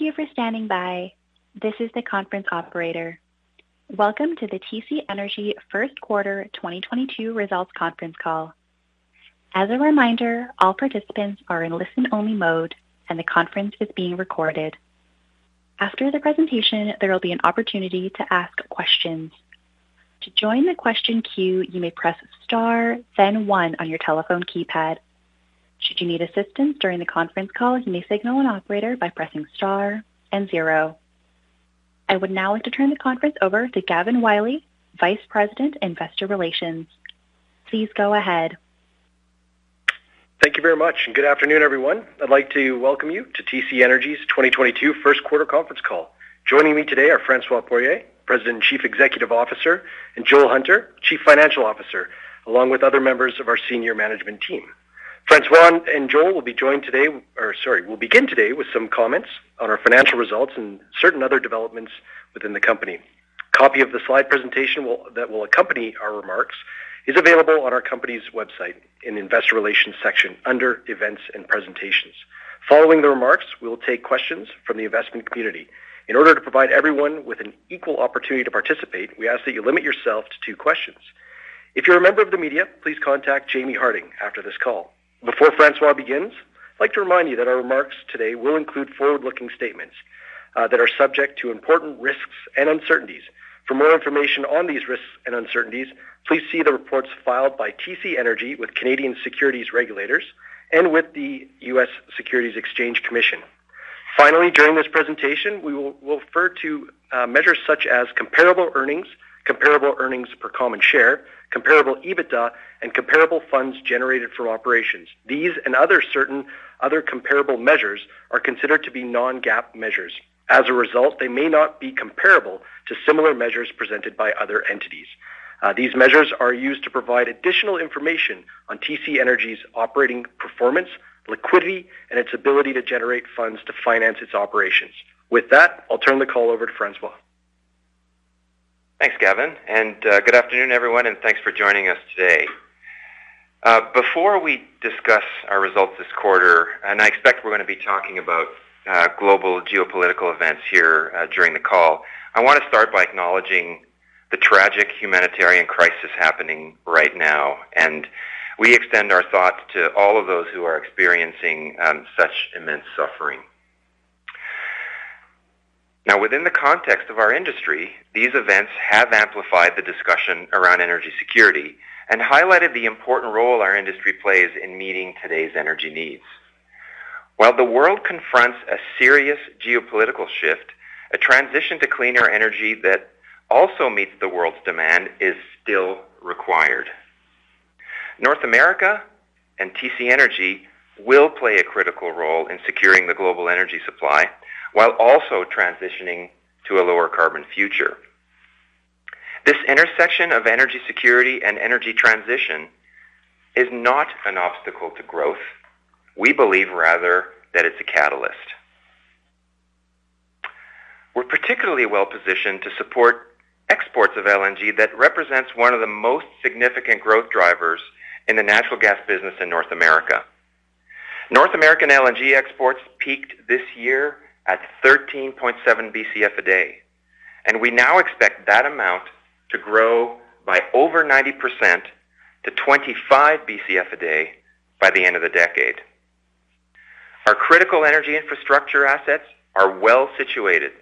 Thank you for standing by. This is the conference operator. Welcome to the TC Energy first quarter 2022 results conference call. As a reminder, all participants are in listen-only mode and the conference is being recorded. After the presentation, there will be an opportunity to ask questions. To join the question queue, you may press star then one on your telephone keypad. Should you need assistance during the conference call, you may signal an operator by pressing star and zero. I would now like to turn the conference over to Gavin Wylie, Vice President, Investor Relations. Please go ahead. Thank you very much, and good afternoon, everyone. I'd like to welcome you to TC Energy's 2022 first quarter conference call. Joining me today are François Poirier, President and Chief Executive Officer, and Joel Hunter, Chief Financial Officer, along with other members of our senior management team. François and Joel will begin today with some comments on our financial results and certain other developments within the company. Copy of the slide presentation that will accompany our remarks is available on our company's website in Investor Relations section under Events and Presentations. Following the remarks, we will take questions from the investment community. In order to provide everyone with an equal opportunity to participate, we ask that you limit yourself to two questions. If you're a member of the media, please contact Jamie Harding after this call. Before François begins, I'd like to remind you that our remarks today will include forward-looking statements that are subject to important risks and uncertainties. For more information on these risks and uncertainties, please see the reports filed by TC Energy with Canadian Securities Regulators and with the U.S. Securities and Exchange Commission. Finally, during this presentation, we will refer to measures such as comparable earnings, comparable earnings per common share, comparable EBITDA, and comparable funds generated from operations. These and certain other comparable measures are considered to be non-GAAP measures. As a result, they may not be comparable to similar measures presented by other entities. These measures are used to provide additional information on TC Energy's operating performance, liquidity, and its ability to generate funds to finance its operations. With that, I'll turn the call over to François. Thanks, Gavin, and good afternoon, everyone, and thanks for joining us today. Before we discuss our results this quarter, and I expect we're gonna be talking about global geopolitical events here during the call, I wanna start by acknowledging the tragic humanitarian crisis happening right now, and we extend our thoughts to all of those who are experiencing such immense suffering. Now, within the context of our industry, these events have amplified the discussion around energy security and highlighted the important role our industry plays in meeting today's energy needs. While the world confronts a serious geopolitical shift, a transition to cleaner energy that also meets the world's demand is still required. North America and TC Energy will play a critical role in securing the global energy supply while also transitioning to a lower carbon future. This intersection of energy security and energy transition is not an obstacle to growth. We believe rather that it's a catalyst. We're particularly well-positioned to support exports of LNG that represents one of the most significant growth drivers in the natural gas business in North America. North American LNG exports peaked this year at 13.7 BCF a day, and we now expect that amount to grow by over 90% to 25 BCF a day by the end of the decade. Our critical energy infrastructure assets are well situated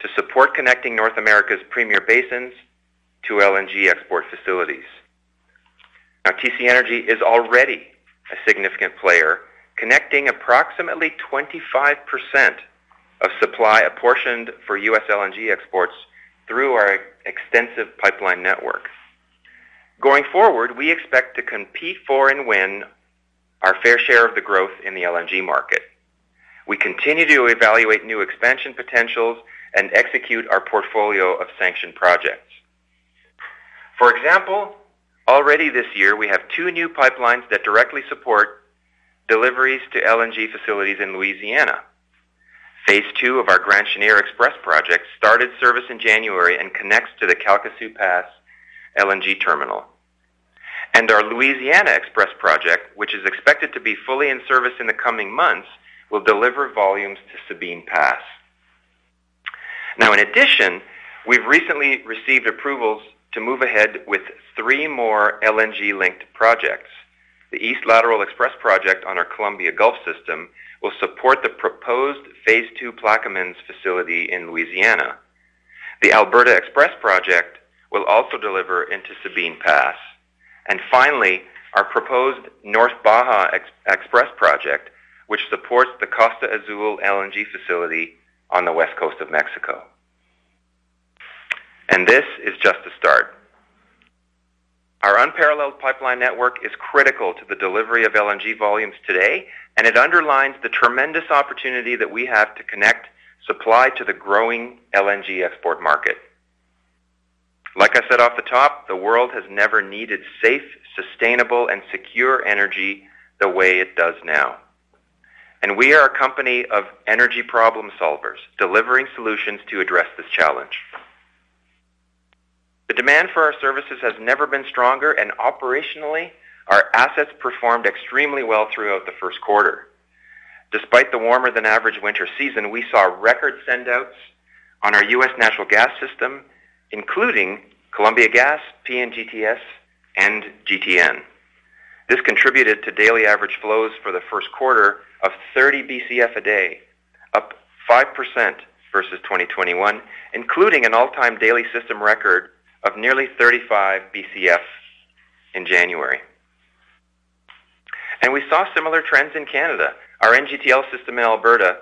to support connecting North America's premier basins to LNG export facilities. Now, TC Energy is already a significant player, connecting approximately 25% of supply apportioned for U.S. LNG exports through our extensive pipeline networks. Going forward, we expect to compete for and win our fair share of the growth in the LNG market. We continue to evaluate new expansion potentials and execute our portfolio of sanctioned projects. For example, already this year, we have two new pipelines that directly support deliveries to LNG facilities in Louisiana. Phase two of our Grand Chenier XPress project started service in January and connects to the Calcasieu Pass LNG terminal. Our Louisiana XPress project, which is expected to be fully in service in the coming months, will deliver volumes to Sabine Pass. Now in addition, we've recently received approvals to move ahead with three more LNG-linked projects. The East Lateral XPress project on our Columbia Gulf system will support the proposed phase two Plaquemines facility in Louisiana. The Alberta XPress project will also deliver into Sabine Pass. Finally, our proposed North Baja XPress project, which supports the Costa Azul LNG facility on the west coast of Mexico. This is just the start. Our unparalleled pipeline network is critical to the delivery of LNG volumes today, and it underlines the tremendous opportunity that we have to connect supply to the growing LNG export market. Like I said off the top, the world has never needed safe, sustainable, and secure energy the way it does now. We are a company of energy problem solvers, delivering solutions to address this challenge. The demand for our services has never been stronger, and operationally, our assets performed extremely well throughout the first quarter. Despite the warmer than average winter season, we saw record sendouts on our U.S. national gas system, including Columbia Gas, PNGTS, and GTN. This contributed to daily average flows for the first quarter of 30 BCF a day, up 5% versus 2021, including an all-time daily system record of nearly 35 BCF in January. We saw similar trends in Canada. Our NGTL system in Alberta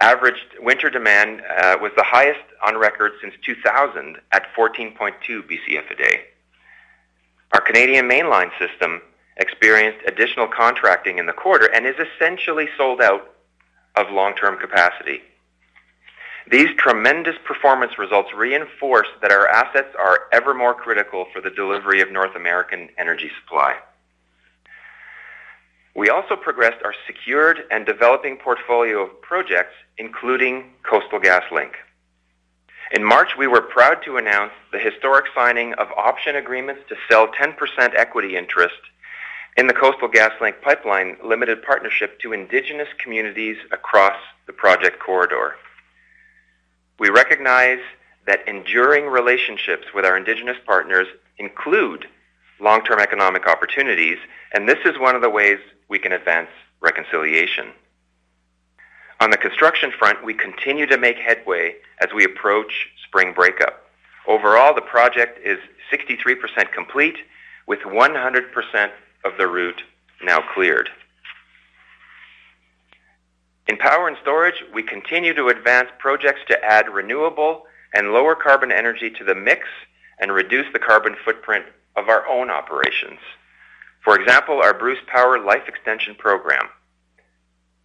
averaged winter demand was the highest on record since 2000 at 14.2 BCF a day. Our Canadian Mainline system experienced additional contracting in the quarter and is essentially sold out of long-term capacity. These tremendous performance results reinforce that our assets are ever more critical for the delivery of North American energy supply. We also progressed our secured and developing portfolio of projects, including Coastal GasLink. In March, we were proud to announce the historic signing of option agreements to sell 10% equity interest in the Coastal GasLink Pipeline Limited Partnership to indigenous communities across the project corridor. We recognize that enduring relationships with our indigenous partners include long-term economic opportunities, and this is one of the ways we can advance reconciliation. On the construction front, we continue to make headway as we approach spring breakup. Overall, the project is 63% complete with 100% of the route now cleared. In power and storage, we continue to advance projects to add renewable and lower carbon energy to the mix and reduce the carbon footprint of our own operations. For example, our Bruce Power Life Extension Program.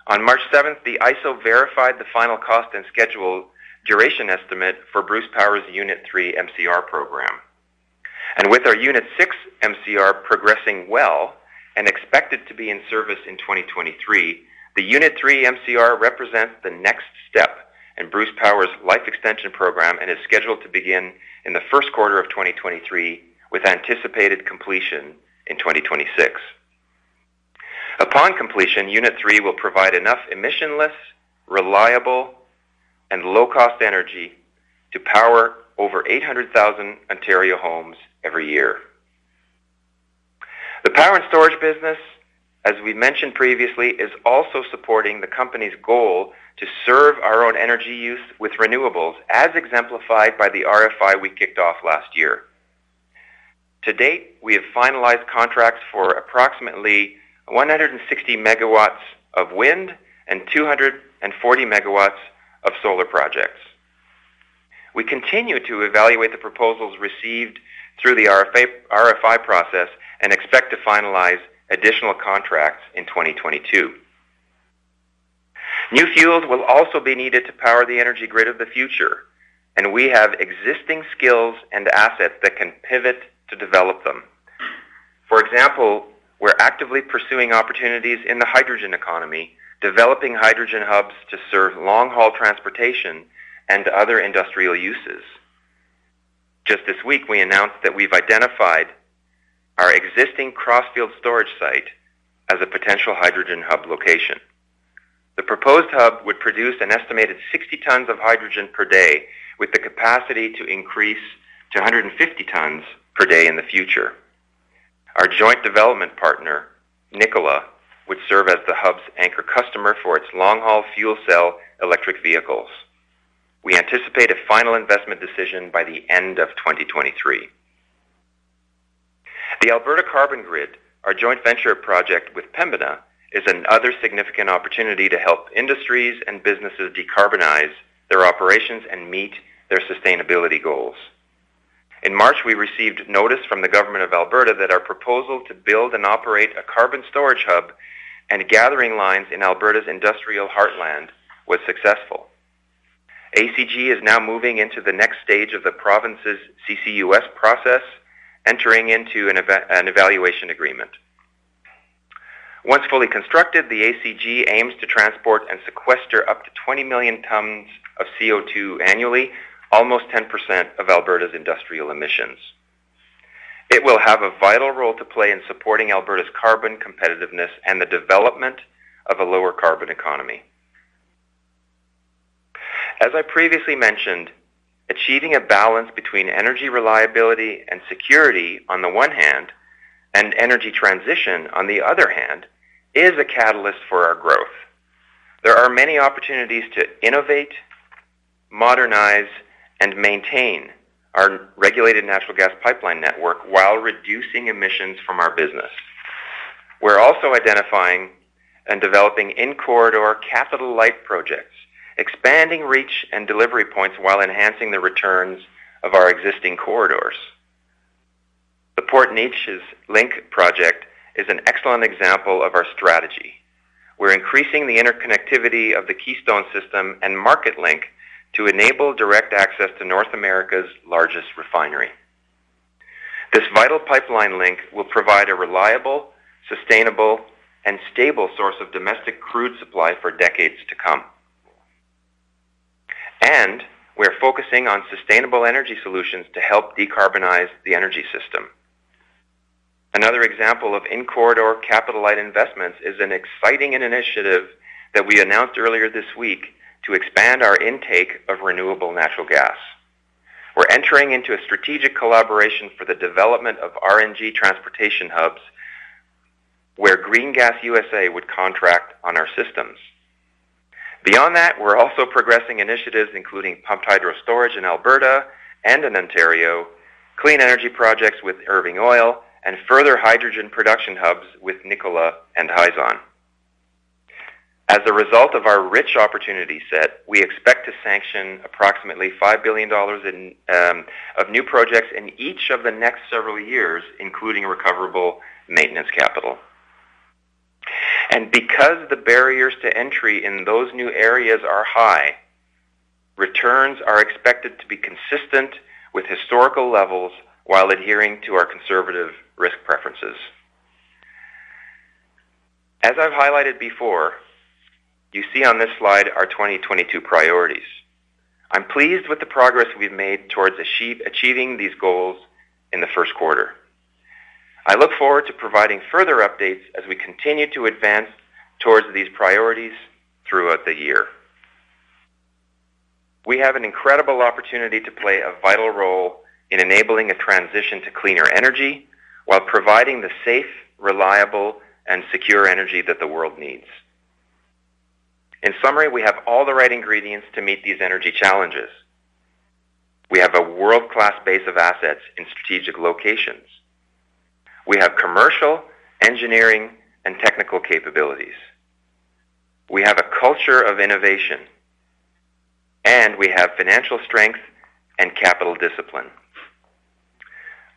On March seventh, the IESO verified the final cost and schedule duration estimate for Bruce Power's Unit Three MCR program. With our Unit Six MCR progressing well and expected to be in service in 2023, the Unit Three MCR represents the next step in Bruce Power's life extension program and is scheduled to begin in the first quarter of 2023 with anticipated completion in 2026. Upon completion, Unit Three will provide enough emission-less, reliable, and low-cost energy to power over 800,000 Ontario homes every year. The power and storage business, as we mentioned previously, is also supporting the company's goal to serve our own energy use with renewables, as exemplified by the RFI we kicked off last year. To date, we have finalized contracts for approximately 160 megawatts of wind and 240 MW of solar projects. We continue to evaluate the proposals received through the RFI process and expect to finalize additional contracts in 2022. New fuels will also be needed to power the energy grid of the future, and we have existing skills and assets that can pivot to develop them. For example, we're actively pursuing opportunities in the hydrogen economy, developing hydrogen hubs to serve long-haul transportation and other industrial uses. Just this week, we announced that we've identified our existing Crossfield storage site as a potential hydrogen hub location. The proposed hub would produce an estimated 60 tons of hydrogen per day with the capacity to increase to 150 tons per day in the future. Our joint development partner, Nikola, would serve as the hub's anchor customer for its long-haul fuel cell electric vehicles. We anticipate a final investment decision by the end of 2023. The Alberta Carbon Grid, our joint venture project with Pembina, is another significant opportunity to help industries and businesses decarbonize their operations and meet their sustainability goals. In March, we received notice from the government of Alberta that our proposal to build and operate a carbon storage hub and gathering lines in Alberta's industrial heartland was successful. ACG is now moving into the next stage of the province's CCUS process, entering into an evaluation agreement. Once fully constructed, the ACG aims to transport and sequester up to 20 million tons of CO2 annually, almost 10% of Alberta's industrial emissions. It will have a vital role to play in supporting Alberta's carbon competitiveness and the development of a lower carbon economy. As I previously mentioned, achieving a balance between energy reliability and security on the one hand, and energy transition on the other hand, is a catalyst for our growth. There are many opportunities to innovate, modernize, and maintain our regulated natural gas pipeline network while reducing emissions from our business. We're also identifying and developing in-corridor capital light projects, expanding reach and delivery points while enhancing the returns of our existing corridors. The Port Neches link project is an excellent example of our strategy. We're increasing the interconnectivity of the Keystone system and MarketLink to enable direct access to North America's largest refinery. This vital pipeline link will provide a reliable, sustainable and stable source of domestic crude supply for decades to come. We are focusing on sustainable energy solutions to help decarbonize the energy system. Another example of in corridor capital light investments is an exciting initiative that we announced earlier this week to expand our intake of renewable natural gas. We're entering into a strategic collaboration for the development of RNG transportation hubs where GreenGasUSA would contract on our systems. Beyond that, we're also progressing initiatives including pumped hydro storage in Alberta and in Ontario, clean energy projects with Irving Oil, and further hydrogen production hubs with Nikola and Hyzon. As a result of our rich opportunity set, we expect to sanction approximately 5 billion dollars of new projects in each of the next several years, including recoverable maintenance capital. Because the barriers to entry in those new areas are high, returns are expected to be consistent with historical levels while adhering to our conservative risk preferences. As I've highlighted before, you see on this slide our 2022 priorities. I'm pleased with the progress we've made towards achieving these goals in the first quarter. I look forward to providing further updates as we continue to advance towards these priorities throughout the year. We have an incredible opportunity to play a vital role in enabling a transition to cleaner energy while providing the safe, reliable, and secure energy that the world needs. In summary, we have all the right ingredients to meet these energy challenges. We have a world-class base of assets in strategic locations. We have commercial, engineering, and technical capabilities. We have a culture of innovation, and we have financial strength and capital discipline.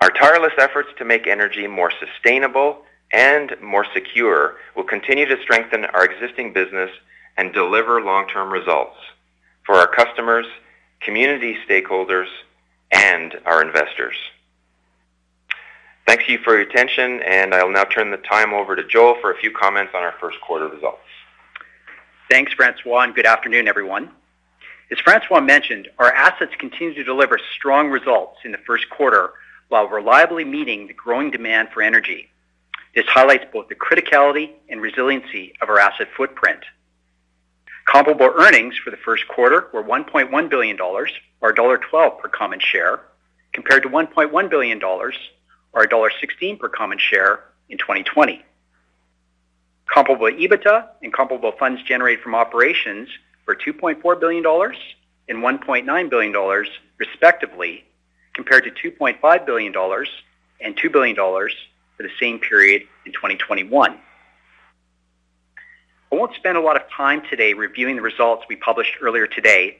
Our tireless efforts to make energy more sustainable and more secure will continue to strengthen our existing business and deliver long-term results for our customers, community stakeholders, and our investors. Thank you for your attention, and I will now turn the time over to Joel for a few comments on our first quarter results. Thanks, François, and good afternoon, everyone. As François mentioned, our assets continued to deliver strong results in the first quarter while reliably meeting the growing demand for energy. This highlights both the criticality and resiliency of our asset footprint. Comparable earnings for the first quarter were 1.1 billion dollars or dollar 1.12 per common share, compared to 1.1 billion dollars or dollar 1.16 per common share in 2020. Comparable EBITDA and comparable funds generated from operations were 2.4 billion dollars and 1.9 billion dollars, respectively, compared to 2.5 billion dollars and 2 billion dollars for the same period in 2021. I won't spend a lot of time today reviewing the results we published earlier today,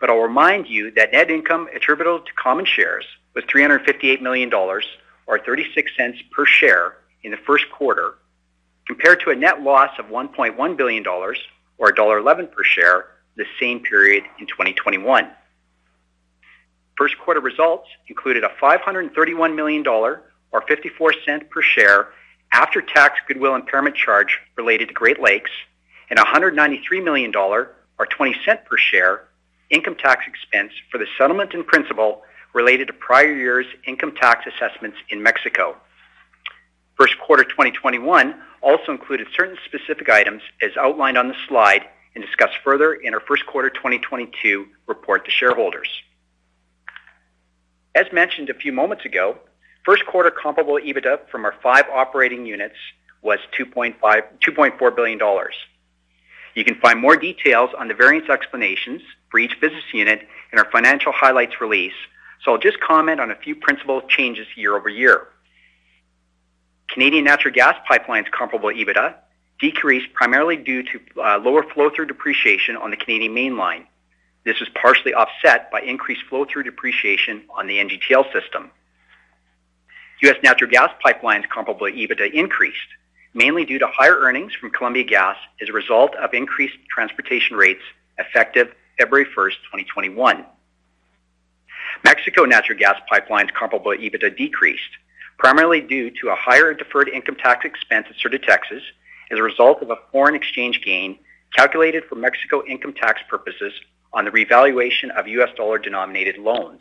but I'll remind you that net income attributable to common shares was 358 million dollars or 0.36 per share in the first quarter, compared to a net loss of 1.1 billion dollars or dollar 1.11 per share the same period in 2021. First quarter results included a 531 million dollar or 0.54 per share after-tax goodwill impairment charge related to Great Lakes and a 193 million dollar or 0.20 per share income tax expense for the settlement in principle related to prior years' income tax assessments in Mexico. First quarter 2021 also included certain specific items as outlined on this slide and discussed further in our first quarter 2022 report to shareholders. As mentioned a few moments ago, first quarter comparable EBITDA from our five operating units was 2.4 billion dollars. You can find more details on the variance explanations for each business unit in our financial highlights release, so I'll just comment on a few principal changes year-over-year. Canadian natural gas pipelines comparable EBITDA decreased primarily due to lower flow-through depreciation on the Canadian Mainline. This is partially offset by increased flow-through depreciation on the NGTL system. U.S. natural gas pipelines comparable EBITDA increased mainly due to higher earnings from Columbia Gas as a result of increased transportation rates effective February 1, 2021. Mexico natural gas pipelines comparable EBITDA decreased primarily due to a higher deferred income tax expense at certain taxes as a result of a foreign exchange gain calculated for Mexico income tax purposes on the revaluation of U.S. dollar-denominated loans.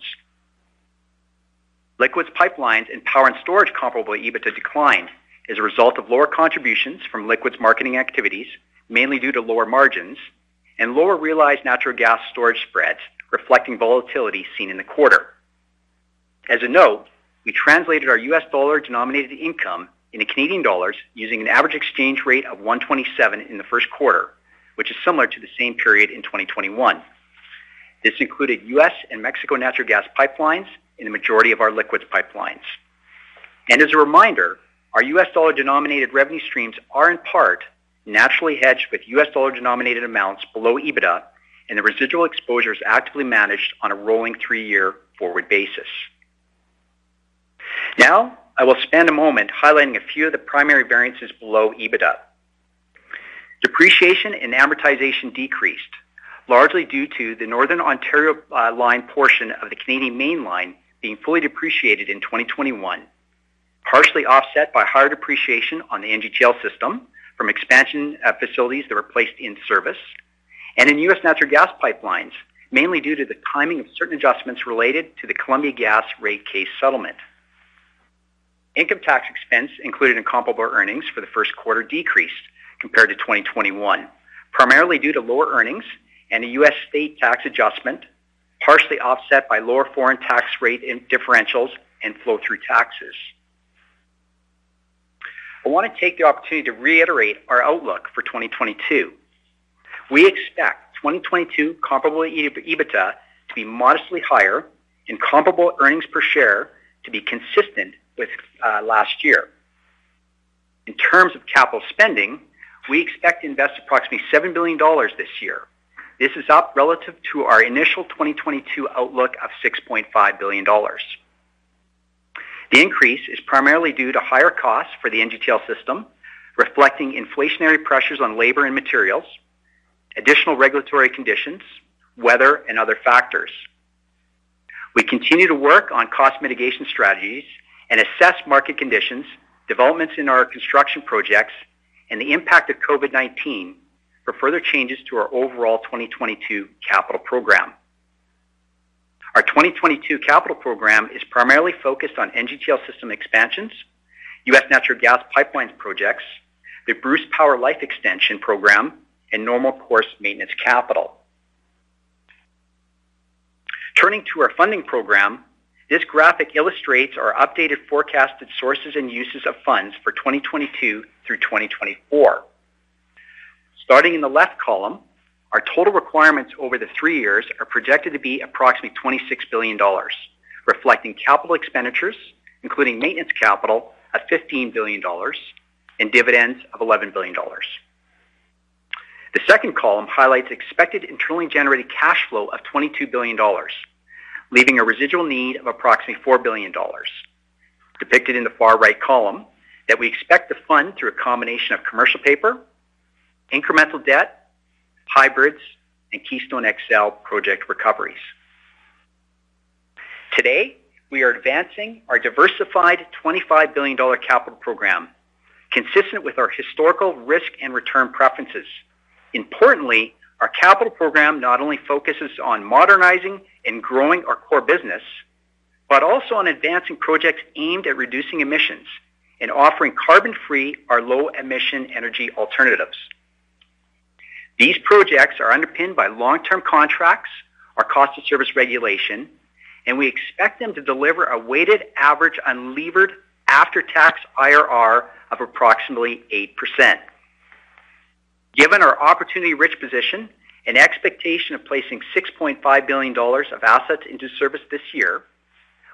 Liquids pipelines and power and storage comparable EBITDA declined as a result of lower contributions from liquids marketing activities, mainly due to lower margins and lower realized natural gas storage spreads reflecting volatility seen in the quarter. As a note, we translated our U.S. dollar-denominated income into Canadian dollars using an average exchange rate of 1.27 in the first quarter, which is similar to the same period in 2021. This included U.S. and Mexico natural gas pipelines and the majority of our liquids pipelines. As a reminder, our U.S. dollar-denominated revenue streams are in part naturally hedged with U.S. dollar-denominated amounts below EBITDA, and the residual exposure is actively managed on a rolling three-year forward basis. Now, I will spend a moment highlighting a few of the primary variances below EBITDA. Depreciation and amortization decreased, largely due to the Northern Ontario line portion of the Canadian Mainline being fully depreciated in 2021, partially offset by higher depreciation on the NGTL system from expansion facilities that were placed in service and in U.S. natural gas pipelines, mainly due to the timing of certain adjustments related to the Columbia Gas rate case settlement. Income tax expense included in comparable earnings for the first quarter decreased compared to 2021, primarily due to lower earnings and a U.S. state tax adjustment, partially offset by lower foreign tax rate in differentials and flow-through taxes. I want to take the opportunity to reiterate our outlook for 2022. We expect 2022 comparable EBITDA to be modestly higher and comparable earnings per share to be consistent with last year. In terms of capital spending, we expect to invest approximately 7 billion dollars this year. This is up relative to our initial 2022 outlook of 6.5 billion dollars. The increase is primarily due to higher costs for the NGTL system, reflecting inflationary pressures on labor and materials, additional regulatory conditions, weather, and other factors. We continue to work on cost mitigation strategies and assess market conditions, developments in our construction projects, and the impact of COVID-19 for further changes to our overall 2022 capital program. Our 2022 capital program is primarily focused on NGTL system expansions, U.S. natural gas pipelines projects, the Bruce Power life extension program, and normal course maintenance capital. Turning to our funding program, this graphic illustrates our updated forecasted sources and uses of funds for 2022 through 2024. Starting in the left column, our total requirements over the three years are projected to be approximately 26 billion dollars, reflecting capital expenditures, including maintenance capital of 15 billion dollars and dividends of 11 billion dollars. The second column highlights expected internally generated cash flow of 22 billion dollars, leaving a residual need of approximately 4 billion dollars, depicted in the far right column, that we expect to fund through a combination of commercial paper, incremental debt, hybrids, and Keystone XL project recoveries. Today, we are advancing our diversified 25 billion dollar capital program consistent with our historical risk and return preferences. Importantly, our capital program not only focuses on modernizing and growing our core business, but also on advancing projects aimed at reducing emissions and offering carbon-free or low-emission energy alternatives. These projects are underpinned by long-term contracts or cost of service regulation, and we expect them to deliver a weighted average unlevered after-tax IRR of approximately 8%. Given our opportunity-rich position and expectation of placing 6.5 billion dollars of assets into service this year,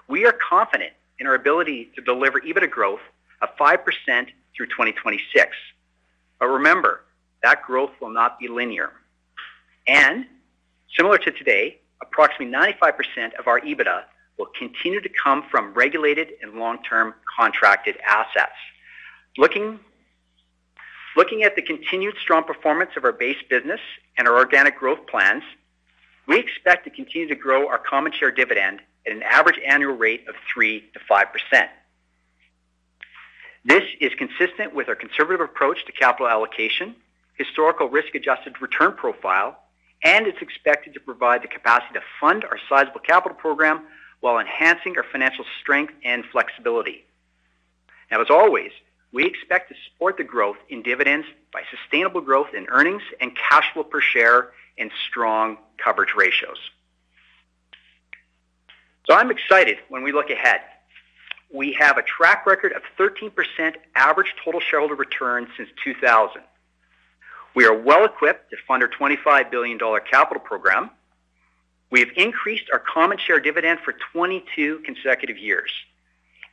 we are confident in our ability to deliver EBITDA growth of 5% through 2026. Remember, that growth will not be linear. Similar to today, approximately 95% of our EBITDA will continue to come from regulated and long-term contracted assets. Looking at the continued strong performance of our base business and our organic growth plans, we expect to continue to grow our common share dividend at an average annual rate of 3%-5%. This is consistent with our conservative approach to capital allocation, historical risk-adjusted return profile, and it's expected to provide the capacity to fund our sizable capital program while enhancing our financial strength and flexibility. Now, as always, we expect to support the growth in dividends by sustainable growth in earnings and cash flow per share and strong coverage ratios. I'm excited when we look ahead. We have a track record of 13% average total shareholder return since 2000. We are well equipped to fund our 25 billion dollar capital program. We have increased our common share dividend for 22 consecutive years,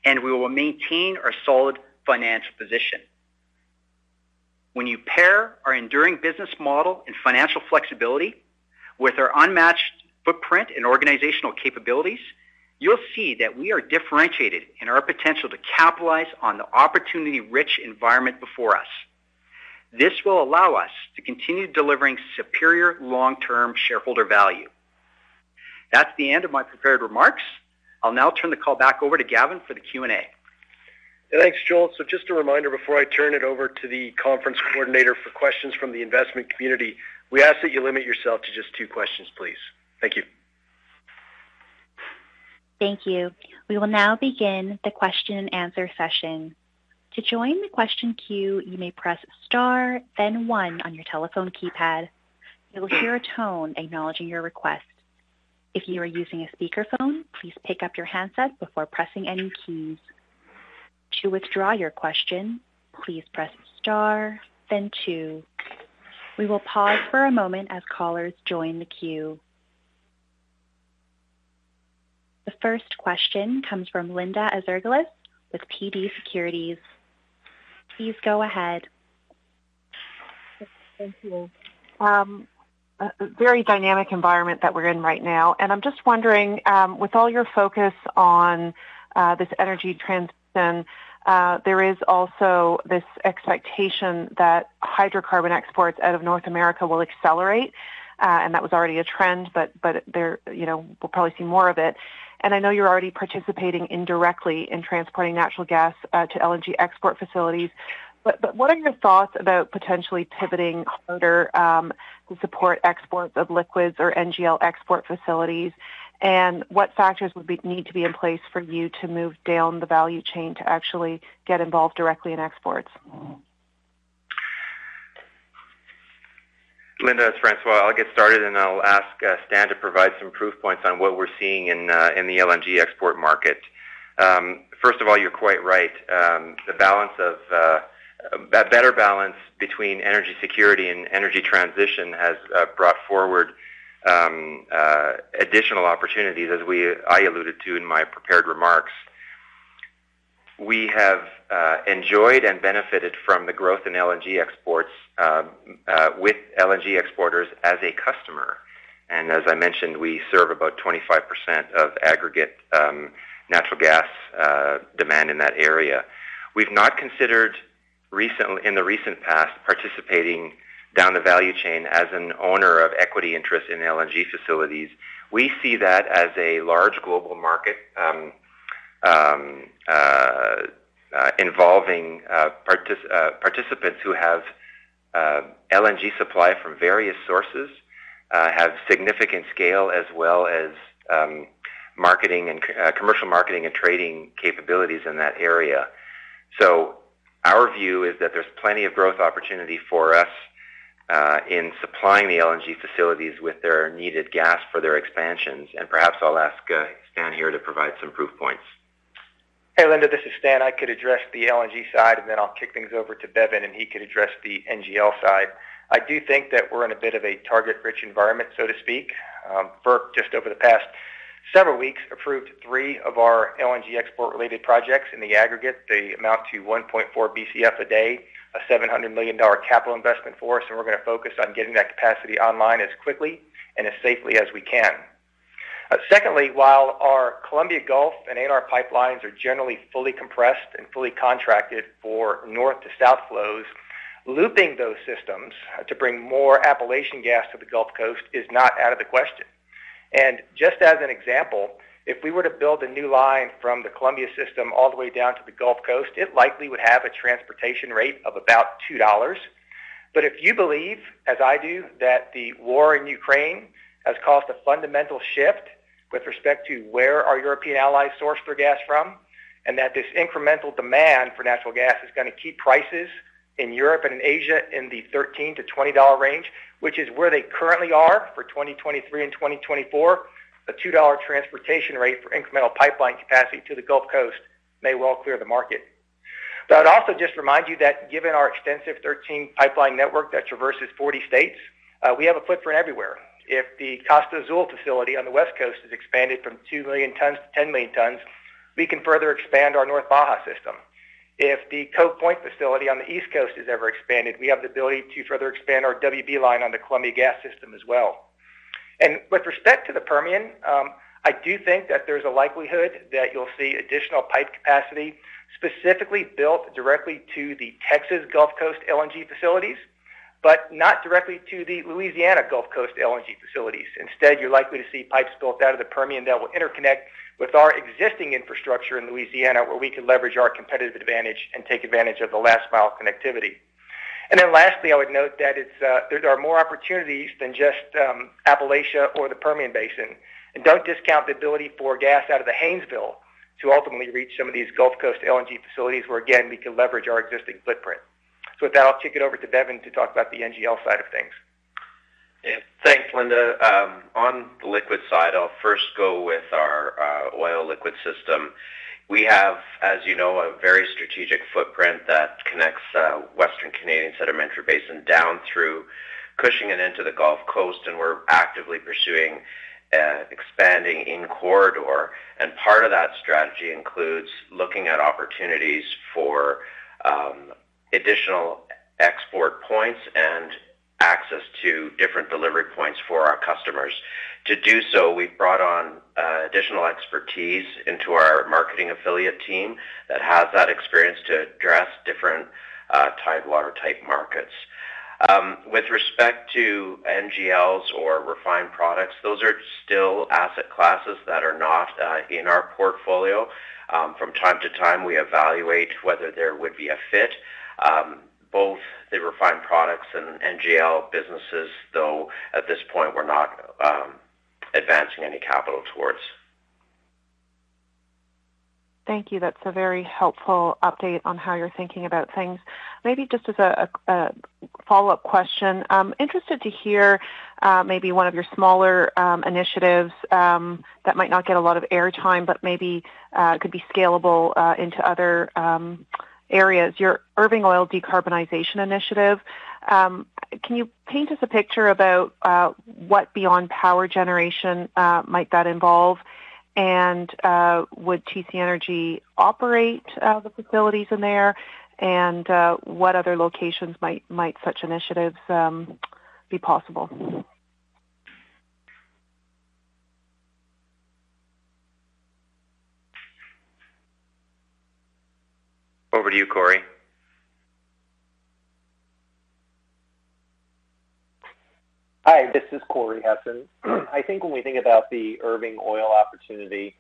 and we will maintain our solid financial position. When you pair our enduring business model and financial flexibility with our unmatched footprint and organizational capabilities, you'll see that we are differentiated in our potential to capitalize on the opportunity-rich environment before us. This will allow us to continue delivering superior long-term shareholder value. That's the end of my prepared remarks. I'll now turn the call back over to Gavin for the Q&A. Thanks, Joel. Just a reminder before I turn it over to the conference coordinator for questions from the investment community, we ask that you limit yourself to just two questions, please. Thank you. Thank you. We will now begin the question and answer session. To join the question queue, you may press star then one on your telephone keypad. You will hear a tone acknowledging your request. If you are using a speakerphone, please pick up your handset before pressing any keys. To withdraw your question, please press star then two. We will pause for a moment as callers join the queue. The first question comes from Linda Ezergailis with TD Securities. Please go ahead. Thank you. A very dynamic environment that we're in right now. I'm just wondering, with all your focus on this energy transition, there is also this expectation that hydrocarbon exports out of North America will accelerate, and that was already a trend, but there, you know, we'll probably see more of it. I know you're already participating indirectly in transporting natural gas to LNG export facilities. What are your thoughts about potentially pivoting harder to support exports of liquids or NGL export facilities? What factors would need to be in place for you to move down the value chain to actually get involved directly in exports? Linda, it's François. I'll get started, and I'll ask Stan to provide some proof points on what we're seeing in the LNG export market. First of all, you're quite right. A better balance between energy security and energy transition has brought forward additional opportunities, as I alluded to in my prepared remarks. We have enjoyed and benefited from the growth in LNG exports with LNG exporters as a customer. As I mentioned, we serve about 25% of aggregate natural gas demand in that area. We've not considered, in the recent past, participating down the value chain as an owner of equity interest in LNG facilities. We see that as a large global market, involving participants who have LNG supply from various sources, have significant scale as well as marketing and commercial marketing and trading capabilities in that area. Our view is that there's plenty of growth opportunity for us in supplying the LNG facilities with their needed gas for their expansions. Perhaps I'll ask Stan here to provide some proof points. Hey, Linda, this is Stan. I could address the LNG side, and then I'll kick things over to Bevin, and he could address the NGL side. I do think that we're in a bit of a target-rich environment, so to speak. FERC, just over the past several weeks, approved three of our LNG export-related projects. In the aggregate, they amount to 1.4 BCF a day, a $700 million capital investment for us, and we're gonna focus on getting that capacity online as quickly and as safely as we can. Secondly, while our Columbia Gulf and ANR pipelines are generally fully compressed and fully contracted for north to south flows, looping those systems to bring more Appalachian gas to the Gulf Coast is not out of the question. Just as an example, if we were to build a new line from the Columbia system all the way down to the Gulf Coast, it likely would have a transportation rate of about $2. If you believe, as I do, that the war in Ukraine has caused a fundamental shift with respect to where our European allies source their gas from, and that this incremental demand for natural gas is gonna keep prices in Europe and in Asia in the $13-$20 range, which is where they currently are for 2023 and 2024, a $2 transportation rate for incremental pipeline capacity to the Gulf Coast may well clear the market. I'd also just remind you that given our extensive 13-pipeline network that traverses 40 states, we have a footprint everywhere. If the Costa Azul facility on the West Coast is expanded from 2 million tons to 10 million tons, we can further expand our North Baja system. If the Cove Point facility on the East Coast is ever expanded, we have the ability to further expand our WB XPress on the Columbia Gas system as well. With respect to the Permian, I do think that there's a likelihood that you'll see additional pipe capacity specifically built directly to the Texas Gulf Coast LNG facilities, but not directly to the Louisiana Gulf Coast LNG facilities. Instead, you're likely to see pipes built out of the Permian that will interconnect with our existing infrastructure in Louisiana, where we can leverage our competitive advantage and take advantage of the last mile connectivity. Lastly, I would note that it's, there are more opportunities than just Appalachia or the Permian Basin. Don't discount the ability for gas out of the Haynesville to ultimately reach some of these Gulf Coast LNG facilities where again, we can leverage our existing footprint. With that, I'll kick it over to Bevin to talk about the NGL side of things. Yeah. Thanks, Linda. On the liquid side, I'll first go with our oil liquid system. We have, as you know, a very strategic footprint that connects Western Canadian Sedimentary Basin down through Cushing and into the Gulf Coast, and we're actively pursuing expanding in corridors. Part of that strategy includes looking at opportunities for additional export points and access to different delivery points for our customers. To do so, we've brought on additional expertise into our marketing affiliate team that has that experience to address different tidewater-type markets. With respect to NGLs or refined products, those are still asset classes that are not in our portfolio. From time to time, we evaluate whether there would be a fit. Both the refined products and NGL businesses, though at this point, we're not advancing any capital towards. Thank you. That's a very helpful update on how you're thinking about things. Maybe just as a follow-up question. I'm interested to hear maybe one of your smaller initiatives that might not get a lot of airtime, but maybe could be scalable into other areas. Your Irving Oil Decarbonization Initiative, can you paint us a picture about what, beyond power generation, might that involve? Would TC Energy operate the facilities in there? What other locations might such initiatives be possible? Over to you, Corey. Hi, this is Corey Hessen. I think when we think about the Irving Oil opportunity,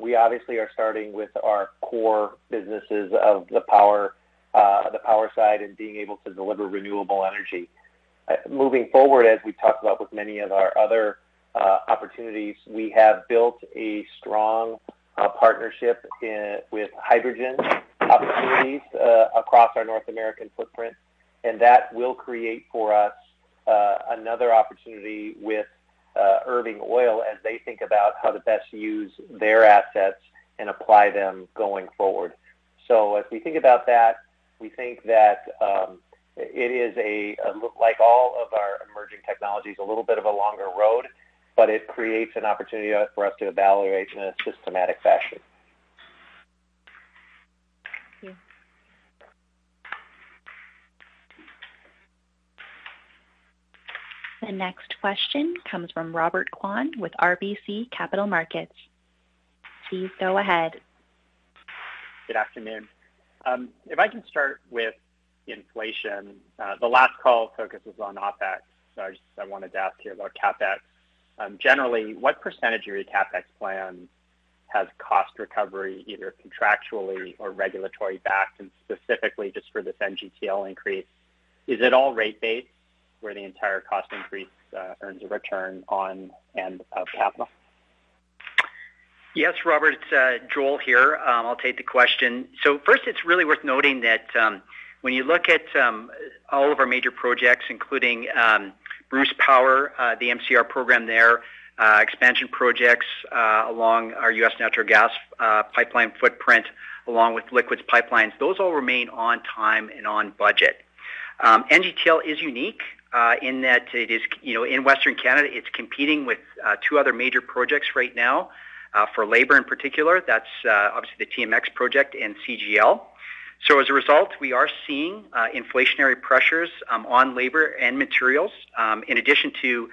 we obviously are starting with our core businesses of the power, the power side and being able to deliver renewable energy. Moving forward, as we talked about with many of our other opportunities, we have built a strong partnership with hydrogen opportunities across our North American footprint, and that will create for us another opportunity with Irving Oil as they think about how to best use their assets and apply them going forward. As we think about that, we think that it is like all of our emerging technologies, a little bit of a longer road, but it creates an opportunity for us to evaluate in a systematic fashion. Thank you. The next question comes from Robert Kwan with RBC Capital Markets. Please go ahead. Good afternoon. If I can start with inflation, the last call focuses on OpEx. I wanted to ask you about CapEx. Generally, what percentage of your CapEx plan has cost recovery, either contractually or regulatory-backed, and specifically just for this NGTL increase? Is it all rate-based where the entire cost increase earns a return on and of capital? Yes, Robert. It's Joel here. I'll take the question. First, it's really worth noting that, when you look at all of our major projects, including Bruce Power, the MCR program there, expansion projects along our U.S. natural gas pipeline footprint, along with liquids pipelines, those all remain on time and on budget. NGTL is unique, in that it is, you know, in Western Canada, it's competing with two other major projects right now for labor in particular. That's obviously the TMX project and CGL. As a result, we are seeing inflationary pressures on labor and materials, in addition to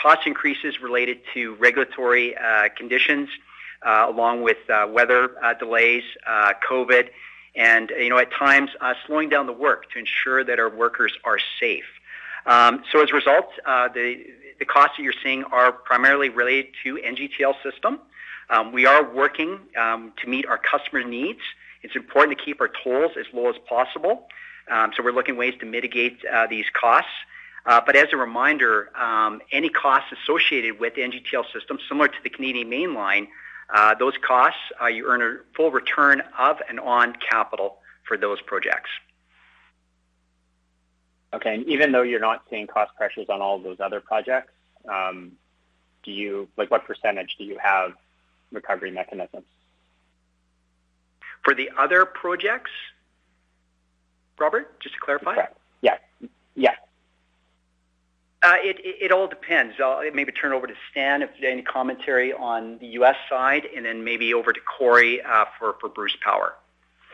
cost increases related to regulatory conditions, along with weather delays, COVID, and, you know, at times, slowing down the work to ensure that our workers are safe. As a result, the costs that you're seeing are primarily related to NGTL System. We are working to meet our customers' needs. It's important to keep our tolls as low as possible, so we're looking at ways to mitigate these costs. But as a reminder, any costs associated with NGTL System, similar to the Canadian Mainline, those costs you earn a full return of and on capital for those projects. Okay. Even though you're not seeing cost pressures on all of those other projects, like, what percentage do you have recovery mechanisms? For the other projects, Robert, just to clarify? Correct. Yes. Yes. It all depends. I'll maybe turn it over to Stan if they have any commentary on the U.S. side and then maybe over to Corey for Bruce Power.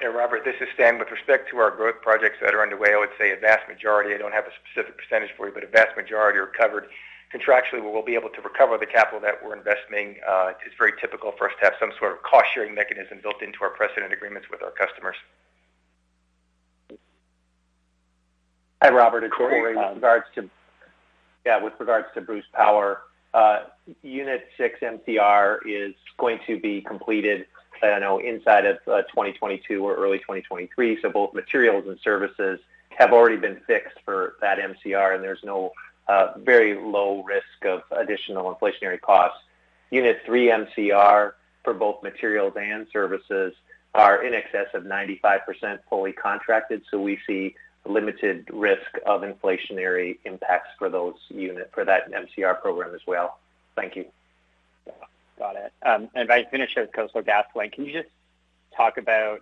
Yeah, Robert, this is Stan. With respect to our growth projects that are underway, I would say a vast majority. I don't have a specific percentage for you, but a vast majority are covered. Contractually, we'll be able to recover the capital that we're investing. It's very typical for us to have some sort of cost-sharing mechanism built into our precedent agreements with our customers. Hi, Robert. It's Corey. Corey. With regards to Bruce Power, unit six MCR is going to be completed, I know, inside of 2022 or early 2023. So both materials and services have already been fixed for that MCR, and there's very low risk of additional inflationary costs. Unit three MCR for both materials and services are in excess of 95% fully contracted, so we see limited risk of inflationary impacts for that MCR program as well. Thank you. Yeah. Got it. If I finish with Coastal GasLink, can you just talk about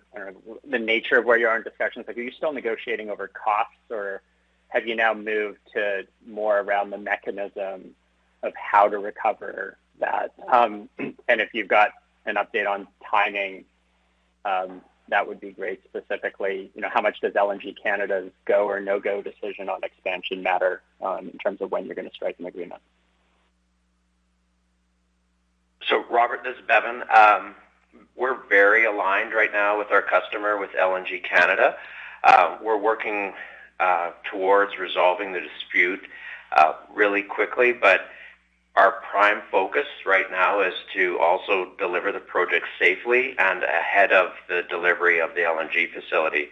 the nature of where you are in discussions? Like, are you still negotiating over costs, or have you now moved to more around the mechanism of how to recover that? And if you've got an update on timing, that would be great. Specifically, you know, how much does LNG Canada's go or no-go decision on expansion matter, in terms of when you're gonna strike an agreement? Robert, this is Bevin. We're very aligned right now with our customer, with LNG Canada. We're working towards resolving the dispute really quickly. Our prime focus right now is to also deliver the project safely and ahead of the delivery of the LNG facility.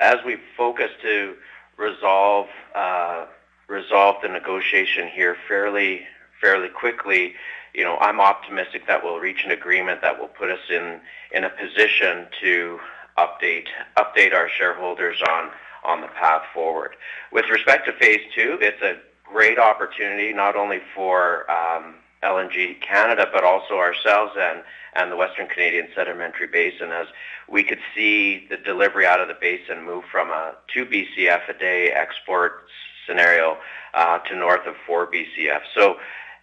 As we focus to resolve the negotiation here fairly quickly, you know, I'm optimistic that we'll reach an agreement that will put us in a position to update our shareholders on the path forward. With respect to phase two, it's a great opportunity not only for LNG Canada, but also ourselves and the Western Canadian Sedimentary Basin, as we could see the delivery out of the basin move from 2 BCF a day export scenario to north of 4 BCF.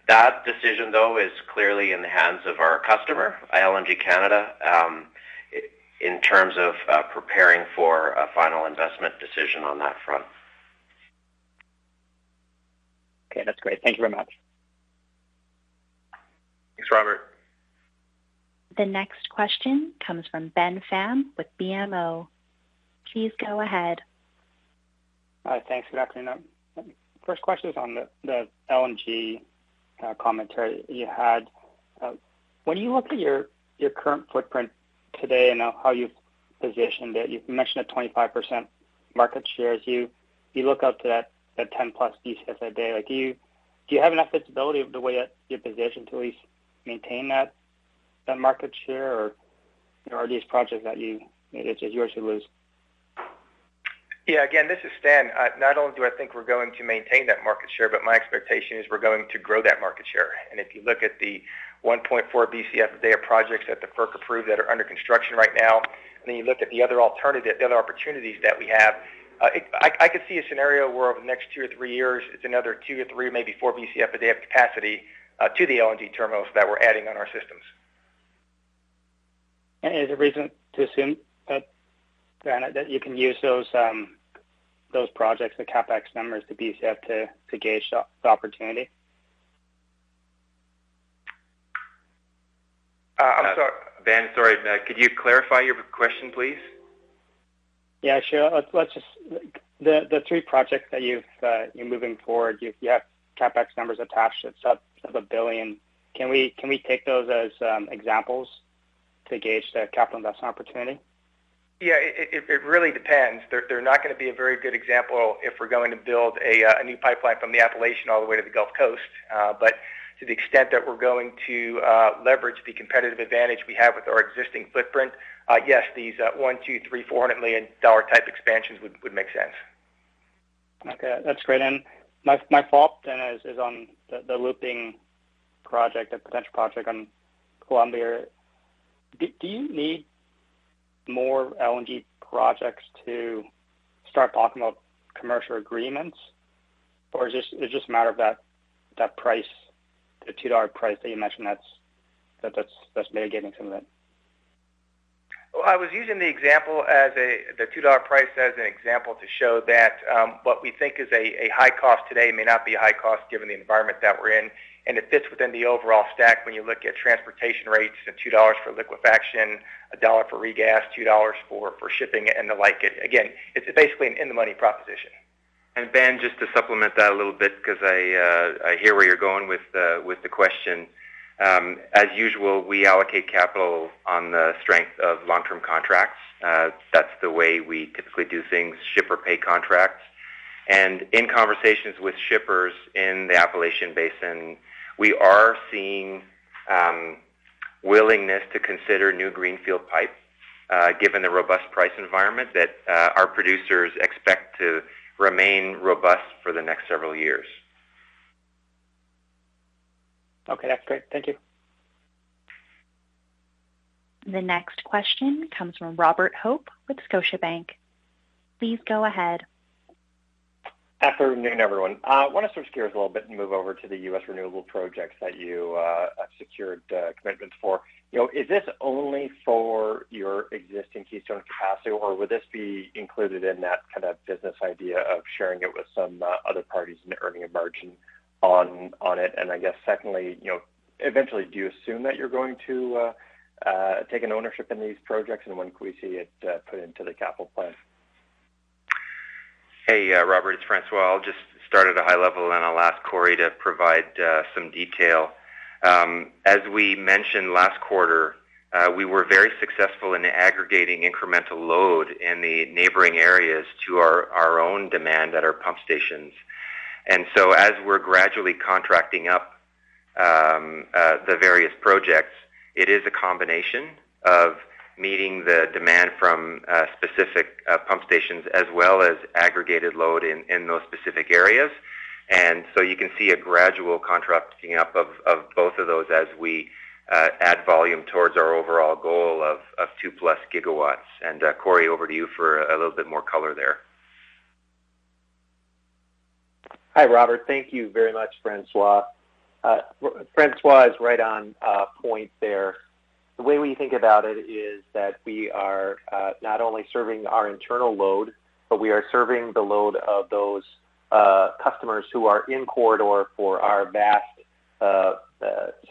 That decision, though, is clearly in the hands of our customer, LNG Canada. In terms of preparing for a final investment decision on that front. Okay, that's great. Thank you very much. Thanks, Robert. The next question comes from Ben Pham with BMO. Please go ahead. Hi. Thanks for that. First question is on the LNG commentary you had. When you look at your current footprint today and how you've positioned it, you've mentioned a 25% market share as you look out to that 10-plus BCF a day. Like, do you have enough flexibility in the way that you're positioned to at least maintain that market share? Or, you know, are these projects that you. It's yours to lose? Again, this is Stan. Not only do I think we're going to maintain that market share, but my expectation is we're going to grow that market share. If you look at the 1.4 Bcf a day of projects that the FERC approved that are under construction right now, and then you look at the other opportunities that we have, I could see a scenario where over the next 2-3 years, it's another 2-3, maybe 4 Bcf a day of capacity to the LNG terminals that we're adding on our systems. Is there reason to assume that, Stan, that you can use those projects, the CapEx numbers to gauge the opportunity? Ben, sorry. Could you clarify your question, please? Yeah, sure. The three projects that you're moving forward, you have CapEx numbers attached. It's upward of 1 billion. Can we take those as examples to gauge the capital investment opportunity? Yeah. It really depends. They're not gonna be a very good example if we're going to build a new pipeline from the Appalachian all the way to the Gulf Coast. To the extent that we're going to leverage the competitive advantage we have with our existing footprint, yes, these 100 million, 200 million, 300 million, 400 million dollar type expansions would make sense. Okay. That's great. My follow-up then is on the looping project, the potential project on Columbia. Do you need more LNG projects to start talking about commercial agreements? Or is this just a matter of that price, the $2 price that you mentioned that's mitigating some of it? Well, I was using the $2 price as an example to show that what we think is a high cost today may not be a high cost given the environment that we're in. It fits within the overall stack when you look at transportation rates at $2 for liquefaction, $1 for regas, $2 for shipping and the like. Again, it's basically an in-the-money proposition. Ben, just to supplement that a little bit because I hear where you're going with the question. As usual, we allocate capital on the strength of long-term contracts. That's the way we typically do things, shipper pay contracts. In conversations with shippers in the Appalachian Basin, we are seeing willingness to consider new greenfield pipe, given the robust price environment that our producers expect to remain robust for the next several years. Okay. That's great. Thank you. The next question comes from Robert Hope with Scotiabank. Please go ahead. Afternoon, everyone. Want to switch gears a little bit and move over to the U.S. renewable projects that you secured commitments for. You know, is this only for your existing Keystone capacity, or would this be included in that kind of business idea of sharing it with some other parties and earning a margin on it? I guess secondly, you know, eventually, do you assume that you're going to take an ownership in these projects? When could we see it put into the capital plan? Hey, Robert, it's François. I'll just start at a high level, and I'll ask Corey to provide some detail. As we mentioned last quarter, we were very successful in aggregating incremental load in the neighboring areas to our own demand at our pump stations. As we're gradually contracting up the various projects, it is a combination of meeting the demand from specific pump stations as well as aggregated load in those specific areas. You can see a gradual contracting up of both of those as we add volume towards our overall goal of 2+ gigawatts. Corey, over to you for a little bit more color there. Hi, Robert. Thank you very much, François. François is right on point there. The way we think about it is that we are not only serving our internal load, but we are serving the load of those customers who are in corridor for our vast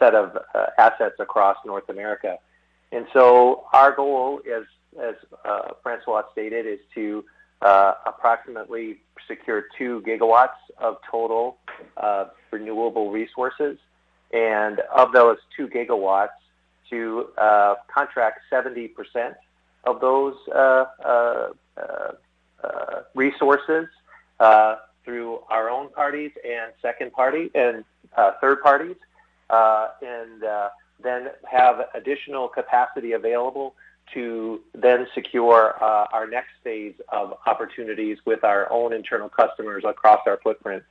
set of assets across North America. Our goal, as François stated, is to approximately secure 2 gigawatts of total renewable resources. Of those 2 gigawatts, to contract 70% of those resources through our own parties and second party and third parties. Then have additional capacity available to then secure our next phase of opportunities with our own internal customers across our footprint.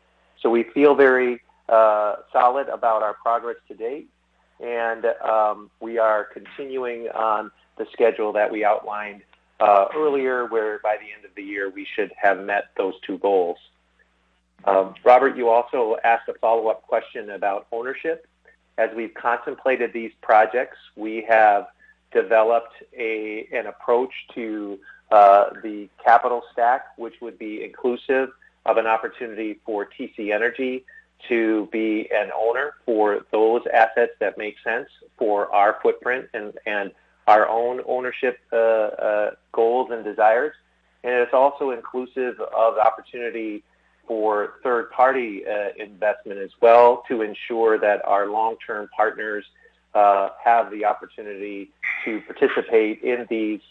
We feel very solid about our progress to date, and we are continuing on the schedule that we outlined earlier, whereby the end of the year, we should have met those two goals. Robert, you also asked a follow-up question about ownership. As we've contemplated these projects, we have developed an approach to the capital stack, which would be inclusive of an opportunity for TC Energy to be an owner for those assets that make sense for our footprint and our own ownership goals and desires. It's also inclusive of opportunity for third-party, investment as well to ensure that our long-term partners, have the opportunity to participate in these,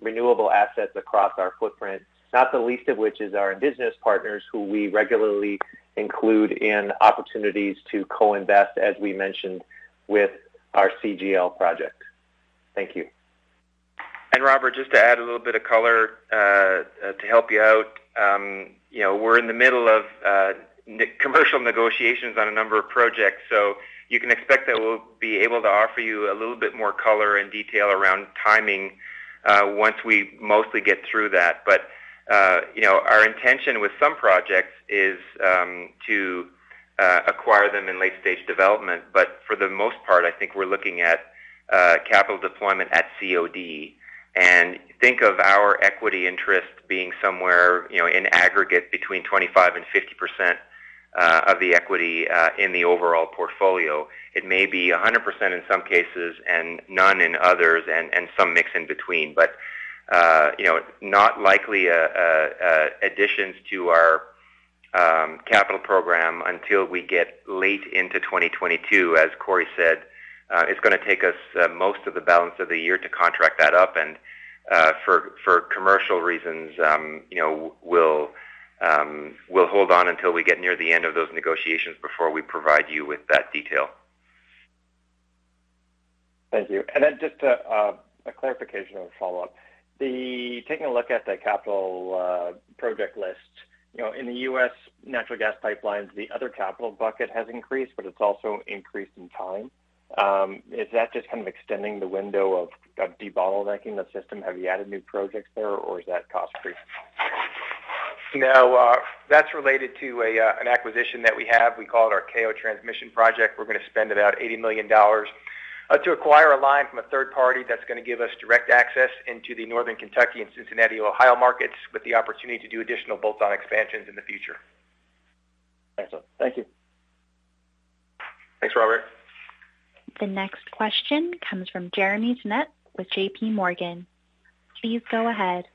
renewable assets across our footprint, not the least of which is our indigenous partners who we regularly include in opportunities to co-invest, as we mentioned, with our CGL project. Thank you. Robert, just to add a little bit of color to help you out, you know, we're in the middle of commercial negotiations on a number of projects, so you can expect that we'll be able to offer you a little bit more color and detail around timing once we mostly get through that. You know, our intention with some projects is to acquire them in late-stage development. For the most part, I think we're looking at capital deployment at COD. Think of our equity interest being somewhere, you know, in aggregate between 25% and 50% of the equity in the overall portfolio. It may be 100% in some cases and none in others, and some mix in between. You know, not likely additions to our capital program until we get late into 2022. As Corey said, it's gonna take us most of the balance of the year to contract that up. For commercial reasons, you know, we'll hold on until we get near the end of those negotiations before we provide you with that detail. Thank you. Just a clarification or follow-up. Taking a look at the capital project list, you know, in the U.S. natural gas pipelines, the other capital bucket has increased, but it's also increased in time. Is that just kind of extending the window of debottlenecking the system? Have you added new projects there, or is that cost increase? No. That's related to an acquisition that we have. We call it our KO Transmission Project. We're gonna spend about $80 million to acquire a line from a third party that's gonna give us direct access into the Northern Kentucky and Cincinnati, Ohio, markets with the opportunity to do additional bolt-on expansions in the future. Excellent. Thank you. Thanks, Robert. The next question comes from Jeremy Tonet with JPMorgan. Please go ahead.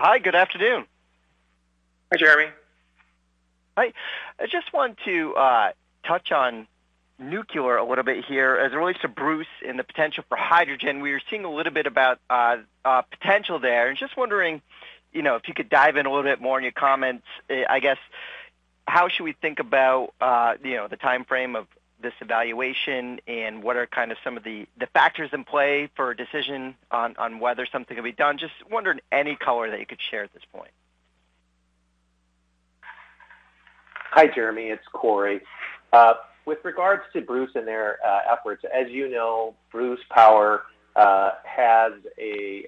Hi, good afternoon. Hi, Jeremy. Hi. I just want to touch on nuclear a little bit here as it relates to Bruce and the potential for hydrogen. We are seeing a little bit about potential there. Just wondering, you know, if you could dive in a little bit more in your comments. I guess, how should we think about, you know, the timeframe of this evaluation, and what are kind of some of the factors in play for a decision on whether something will be done? Just wondering any color that you could share at this point. Hi, Jeremy Tonet. It's Corey Hessen. With regards to Bruce Power and their efforts, as you know, Bruce Power has a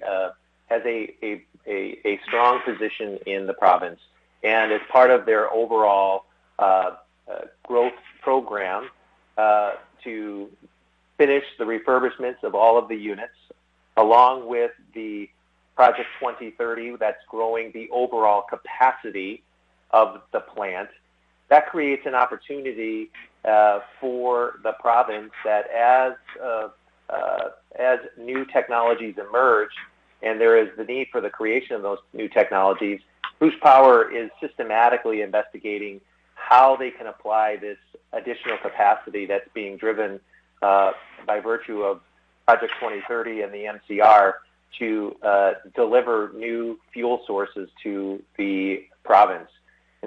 strong position in the province. As part of their overall growth program to finish the refurbishments of all of the units, along with the Project 2030 that's growing the overall capacity of the plant, that creates an opportunity for the province that as new technologies emerge and there is the need for the creation of those new technologies, Bruce Power is systematically investigating how they can apply this additional capacity that's being driven by virtue of Project 2030 and the MCR to deliver new fuel sources to the province.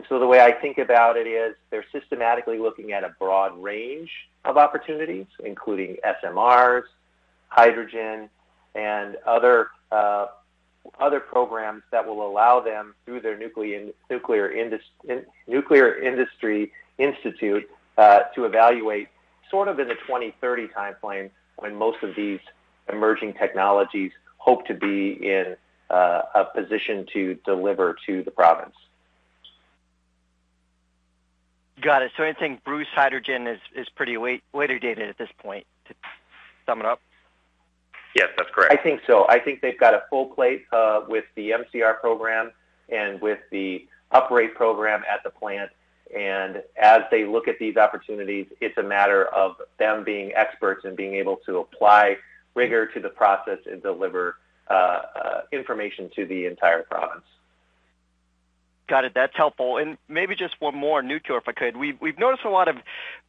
The way I think about it is they're systematically looking at a broad range of opportunities, including SMRs, hydrogen, and other programs that will allow them, through their nuclear industry institute, to evaluate sort of in the 2030 time frame when most of these emerging technologies hope to be in a position to deliver to the province. Got it. Anything Bruce Power hydrogen is pretty way dated at this point, to sum it up? Yes, that's correct. I think so. I think they've got a full plate with the MCR program and with the uprate program at the plant. As they look at these opportunities, it's a matter of them being experts and being able to apply rigor to the process and deliver information to the entire province. Got it. That's helpful. Maybe just one more on nuclear, if I could. We've noticed a lot of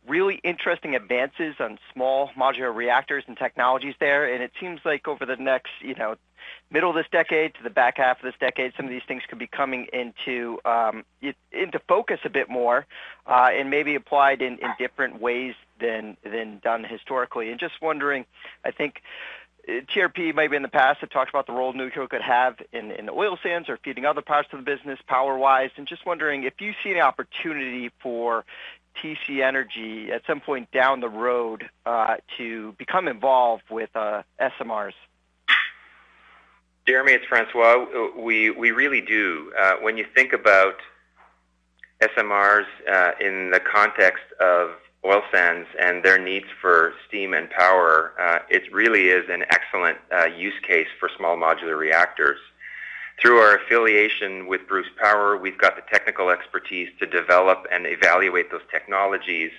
really interesting advances on small modular reactors and technologies there, and it seems like over the next, you know, middle of this decade to the back half of this decade, some of these things could be coming into into focus a bit more, and maybe applied in different ways than done historically. Just wondering, I think TRP maybe in the past have talked about the role nuclear could have in the oil sands or feeding other parts of the business power-wise. Just wondering if you see any opportunity for TC Energy at some point down the road to become involved with SMRs. Jeremy, it's François. We really do. When you think about SMRs in the context of oil sands and their needs for steam and power, it really is an excellent use case for small modular reactors. Through our affiliation with Bruce Power, we've got the technical expertise to develop and evaluate those technologies.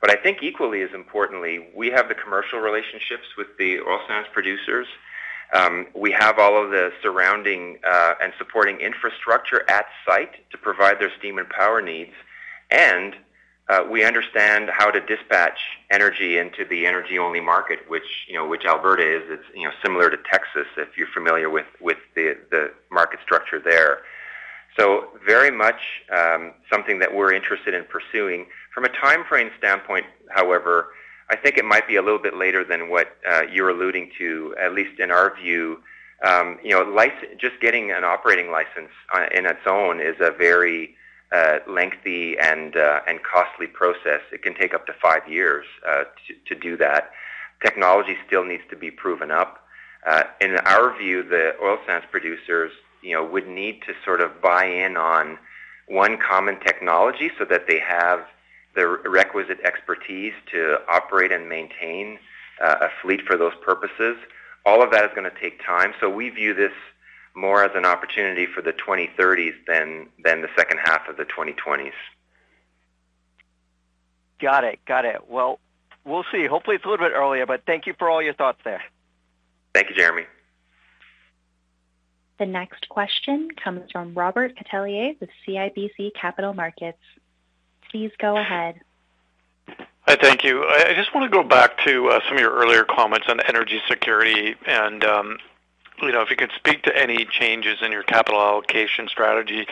But I think equally as importantly, we have the commercial relationships with the oil sands producers. We have all of the surrounding and supporting infrastructure at site to provide their steam and power needs. We understand how to dispatch energy into the energy-only market, which, you know, which Alberta is. It's, you know, similar to Texas, if you're familiar with the market structure there. Very much something that we're interested in pursuing. From a timeframe standpoint, however, I think it might be a little bit later than what you're alluding to, at least in our view. You know, just getting an operating license in and of itself is a very lengthy and costly process. It can take up to 5 years to do that. Technology still needs to be proven up. In our view, the oil sands producers, you know, would need to sort of buy in on one common technology so that they have the requisite expertise to operate and maintain a fleet for those purposes. All of that is gonna take time. We view this more as an opportunity for the 2030s than the second half of the 2020s. Got it. Well, we'll see. Hopefully, it's a little bit earlier, but thank you for all your thoughts there. Thank you, Jeremy. The next question comes from Robert Catellier with CIBC Capital Markets. Please go ahead. Hi. Thank you. I just wanna go back to some of your earlier comments on energy security and if you could speak to any changes in your capital allocation strategy.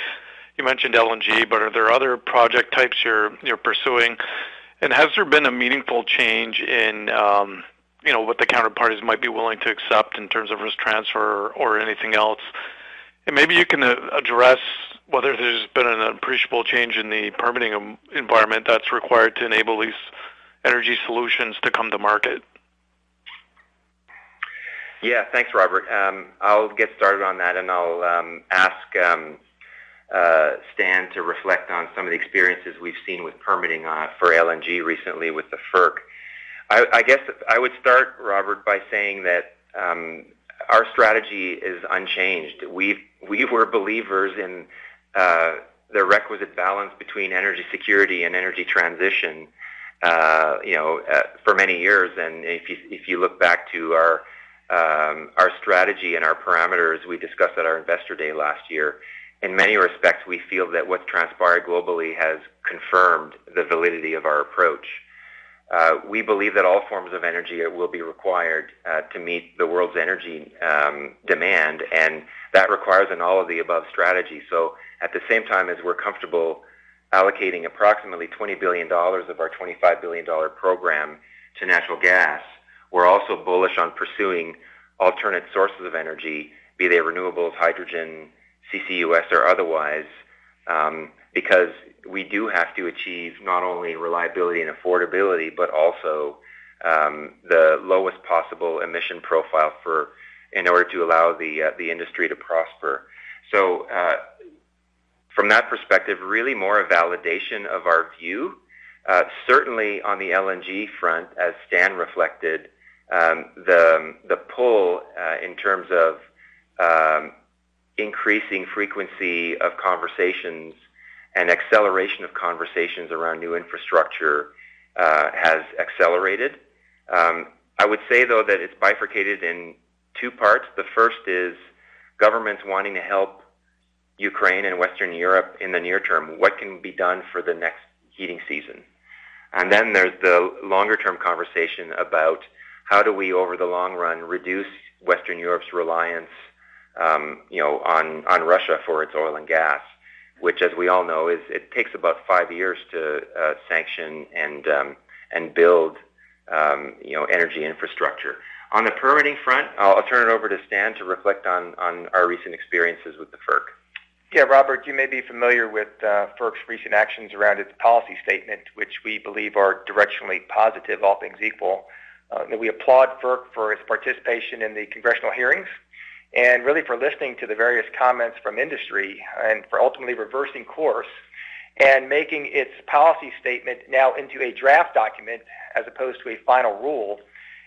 You mentioned LNG, but are there other project types you're pursuing? Has there been a meaningful change in what the counterparties might be willing to accept in terms of risk transfer or anything else? Maybe you can address whether there's been an appreciable change in the permitting environment that's required to enable these energy solutions to come to market. Yeah. Thanks, Robert. I'll get started on that, and I'll ask Stan to reflect on some of the experiences we've seen with permitting for LNG recently with the FERC. I guess I would start, Robert, by saying that our strategy is unchanged. We were believers in the requisite balance between energy security and energy transition, you know, for many years. If you look back to our strategy and our parameters we discussed at our Investor Day last year, in many respects, we feel that what's transpired globally has confirmed the validity of our approach. We believe that all forms of energy will be required to meet the world's energy demand, and that requires an all-of-the-above strategy. At the same time as we're comfortable allocating approximately 20 billion dollars of our 25 billion dollar program to natural gas, we're also bullish on pursuing alternate sources of energy, be they renewables, hydrogen, CCUS or otherwise, because we do have to achieve not only reliability and affordability, but also the lowest possible emission profile in order to allow the industry to prosper. From that perspective, really more a validation of our view. Certainly on the LNG front, as Stan reflected, the pull in terms of increasing frequency of conversations and acceleration of conversations around new infrastructure has accelerated. I would say, though, that it's bifurcated in two parts. The first is governments wanting to help Ukraine and Western Europe in the near term, what can be done for the next heating season? Then there's the longer-term conversation about how do we, over the long run, reduce Western Europe's reliance, you know, on Russia for its oil and gas, which as we all know, it takes about five years to sanction and build, you know, energy infrastructure. On the permitting front, I'll turn it over to Stan to reflect on our recent experiences with the FERC. Yeah. Robert, you may be familiar with FERC's recent actions around its policy statement, which we believe are directionally positive, all things equal. We applaud FERC for its participation in the congressional hearings and really for listening to the various comments from industry and for ultimately reversing course and making its policy statement now into a draft document as opposed to a final rule.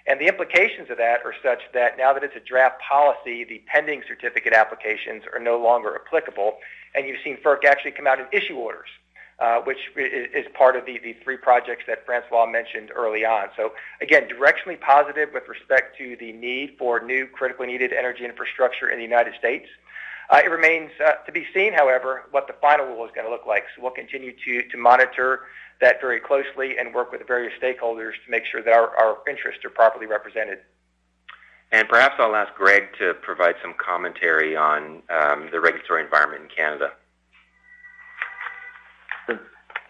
The implications of that are such that now that it's a draft policy, the pending certificate applications are no longer applicable. You've seen FERC actually come out and issue orders, which is part of the three projects that François mentioned early on. Again, directionally positive with respect to the need for new critically needed energy infrastructure in the United States. It remains to be seen, however, what the final rule is gonna look like. We'll continue to monitor that very closely and work with various stakeholders to make sure that our interests are properly represented. Perhaps I'll ask Greg to provide some commentary on the regulatory environment in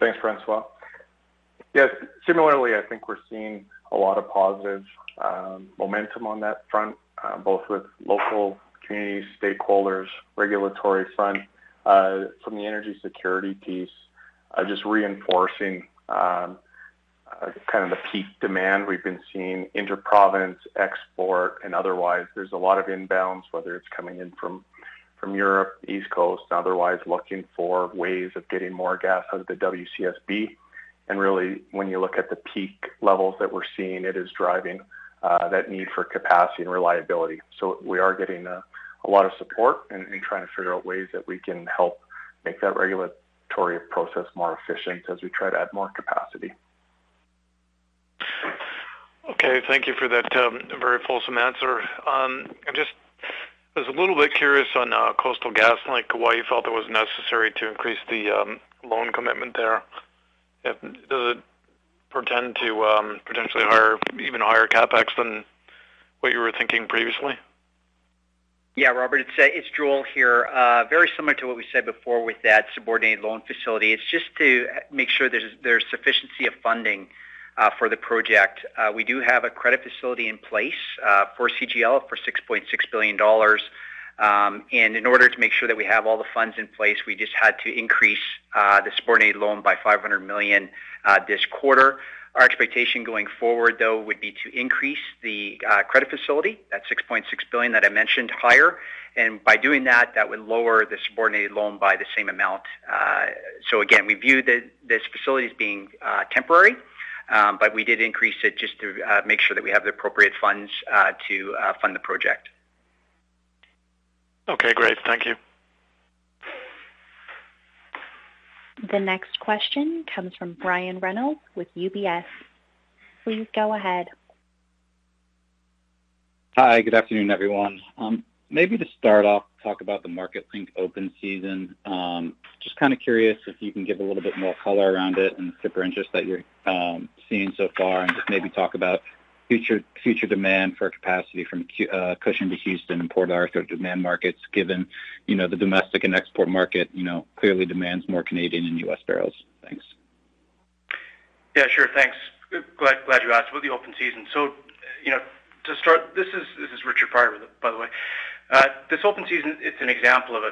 Canada. Good. Thanks, François. Yes. Similarly, I think we're seeing a lot of positive momentum on that front, both with local community stakeholders, regulatory front, from the energy security piece, just reinforcing. Kind of the peak demand we've been seeing inter-province export and otherwise, there's a lot of inbounds, whether it's coming in from Europe, East Coast, and otherwise looking for ways of getting more gas out of the WCSB. Really, when you look at the peak levels that we're seeing, it is driving that need for capacity and reliability. We are getting a lot of support and trying to figure out ways that we can help make that regulatory process more efficient as we try to add more capacity. Okay. Thank you for that, very fulsome answer. I was a little bit curious on Coastal GasLink, why you felt it was necessary to increase the loan commitment there. Does it point to potentially higher, even higher CapEx than what you were thinking previously? Yeah, Robert, it's Joel here. Very similar to what we said before with that subordinated loan facility. It's just to make sure there's sufficiency of funding for the project. We do have a credit facility in place for CGL for $6.6 billion. In order to make sure that we have all the funds in place, we just had to increase the subordinated loan by $500 million this quarter. Our expectation going forward, though, would be to increase the credit facility, that $6.6 billion that I mentioned, higher. By doing that would lower the subordinated loan by the same amount. Again, we view this facility as being temporary, but we did increase it just to make sure that we have the appropriate funds to fund the project. Okay, great. Thank you. The next question comes from Brian Reynolds with UBS. Please go ahead. Hi, good afternoon, everyone. Maybe to start off, talk about the Marketlink open season. Just kind of curious if you can give a little bit more color around it and different interests that you're seeing so far, and just maybe talk about future demand for capacity from Cushing to Houston and Port Arthur demand markets, given, you know, the domestic and export market, you know, clearly demands more Canadian and U.S. barrels. Thanks. Yeah, sure. Thanks. Glad you asked. With the open season, you know, to start, this is Richard Prior, by the way. This open season, it's an example of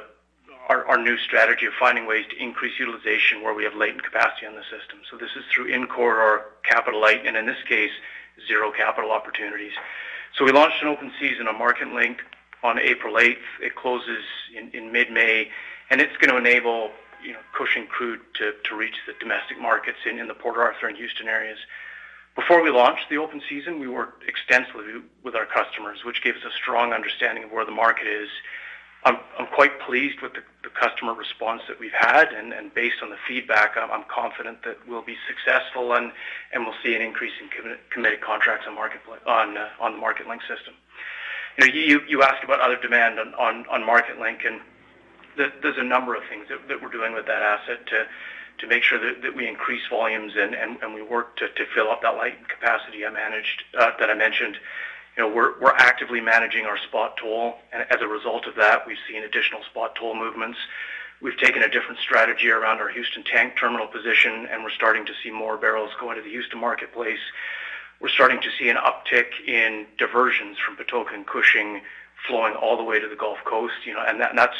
our new strategy of finding ways to increase utilization where we have latent capacity on the system. This is through in-quarter or capital light, and in this case, zero capital opportunities. We launched an open season on Marketlink on April 8. It closes in mid-May, and it's gonna enable, you know, Cushing crude to reach the domestic markets in the Port Arthur and Houston areas. Before we launched the open season, we worked extensively with our customers, which gave us a strong understanding of where the market is. I'm quite pleased with the customer response that we've had, and based on the feedback, I'm confident that we'll be successful and we'll see an increase in committed contracts on the MarketLink system. You know, you asked about other demand on MarketLink, and there's a number of things that we're doing with that asset to make sure that we increase volumes and we work to fill up that light capacity I mentioned. You know, we're actively managing our spot tool, and as a result of that, we've seen additional spot tool movements. We've taken a different strategy around our Houston tank terminal position, and we're starting to see more barrels go into the Houston marketplace. We're starting to see an uptick in diversions from Patoka and Cushing flowing all the way to the Gulf Coast. That's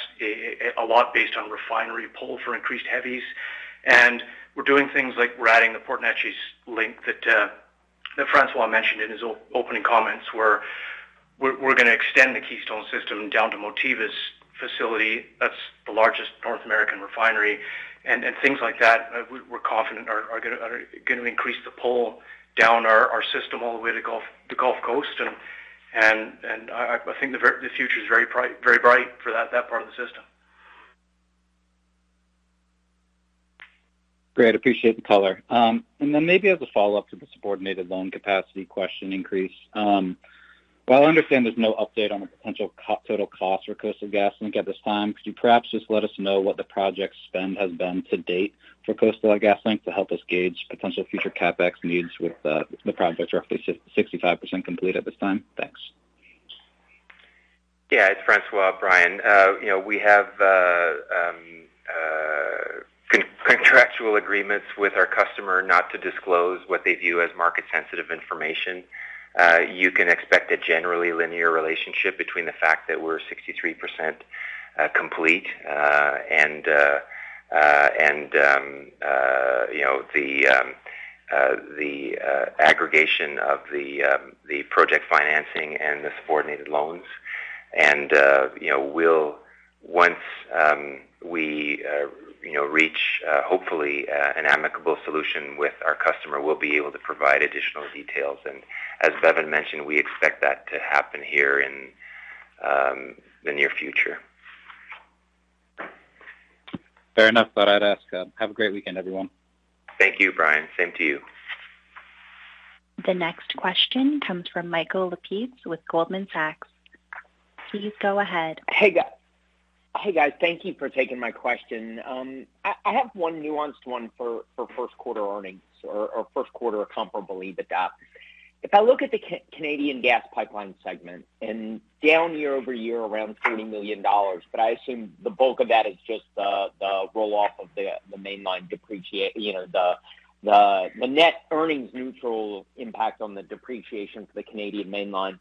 a lot based on refinery pull for increased heavies. We're doing things like we're adding the Port Neches link that François mentioned in his opening comments, where we're gonna extend the Keystone system down to Motiva's facility. That's the largest North American refinery. I think the future is very bright for that part of the system. Great. Appreciate the color. Then maybe as a follow-up to the subordinated loan capacity question increase. While I understand there's no update on the potential total cost for Coastal GasLink at this time, could you perhaps just let us know what the project spend has been to date for Coastal GasLink to help us gauge potential future CapEx needs with the project roughly 65% complete at this time? Thanks. Yeah. It's François, Brian. You know, we have contractual agreements with our customer not to disclose what they view as market-sensitive information. You can expect a generally linear relationship between the fact that we're 63% complete and the aggregation of the project financing and the subordinated loans. You know, we'll. Once we reach, hopefully, an amicable solution with our customer, we'll be able to provide additional details. As Bevin mentioned, we expect that to happen here in the near future. Fair enough. Thought I'd ask. Have a great weekend, everyone. Thank you, Brian. Same to you. The next question comes from Michael Lapides with Goldman Sachs. Please go ahead. Hey, guys. Thank you for taking my question. I have one nuanced one for first quarter earnings or first quarter comparable EBITDA. If I look at the Canadian gas pipeline segment and down year-over-year around 20 million dollars, but I assume the bulk of that is just the roll-off of the net earnings neutral impact on the depreciation for the Canadian Mainline.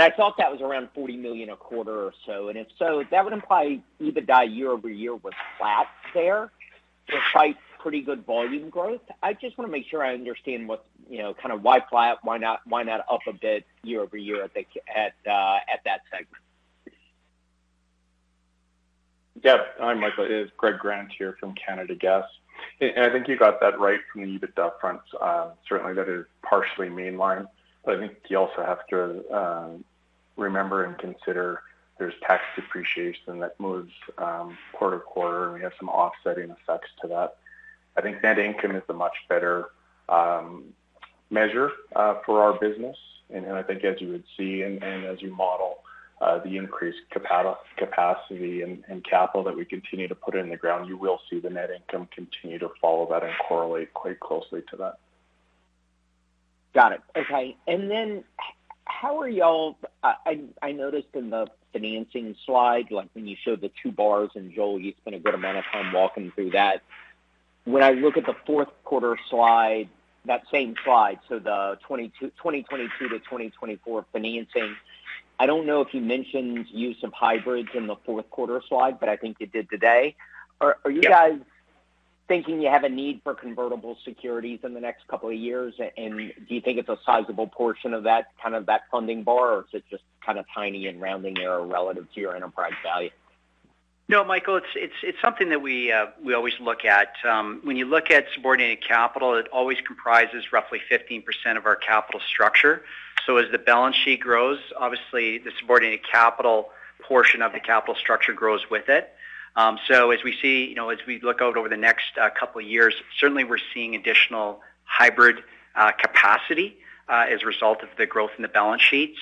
I thought that was around 40 million a quarter or so. If so, that would imply EBITDA year-over-year was flat there despite pretty good volume growth. I just wanna make sure I understand what, you know, kind of why flat, why not up a bit year-over-year at that segment? Yeah. Hi, Michael. It's Greg Grant here from Canadian Natural Gas Pipelines. I think you got that right from the EBITDA front. Certainly that is partially mainline. I think you also have to remember and consider there's tax depreciation that moves quarter to quarter, and we have some offsetting effects to that. I think net income is a much better measure for our business. I think as you would see and as you model the increased capacity and capital that we continue to put in the ground, you will see the net income continue to follow that and correlate quite closely to that. Got it. Okay. How are y'all? I noticed in the financing slide, like, when you showed the two bars, and Joel, you spent a good amount of time walking through that. When I look at the fourth quarter slide, that same slide, so the 2022 to 2024 financing, I don't know if you mentioned use of hybrids in the fourth quarter slide, but I think you did today. Are you guys? Yeah. Do you think you have a need for convertible securities in the next couple of years? Do you think it's a sizable portion of that, kind of that funding bar, or is it just kind of tiny and rounding error relative to your enterprise value? No, Michael, it's something that we always look at. When you look at subordinated capital, it always comprises roughly 15% of our capital structure. As the balance sheet grows, obviously the subordinated capital portion of the capital structure grows with it. As we see, you know, as we look out over the next couple of years, certainly we're seeing additional hybrid capacity as a result of the growth in the balance sheet.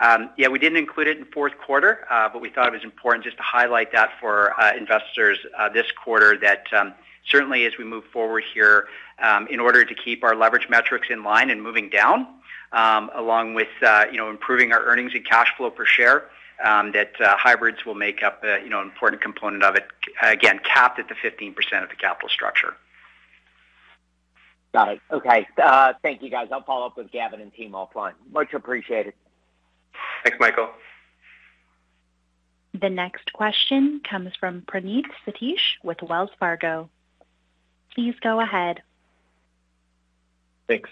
Yeah, we didn't include it in fourth quarter, but we thought it was important just to highlight that for investors this quarter that certainly as we move forward here in order to keep our leverage metrics in line and moving down along with you know improving our earnings and cash flow per share that hybrids will make up a you know an important component of it again capped at the 15% of the capital structure. Got it. Okay. Thank you, guys. I'll follow up with Gavin and team offline. Much appreciated. Thanks, Michael. The next question comes from Praneeth Satish with Wells Fargo. Please go ahead. Thanks.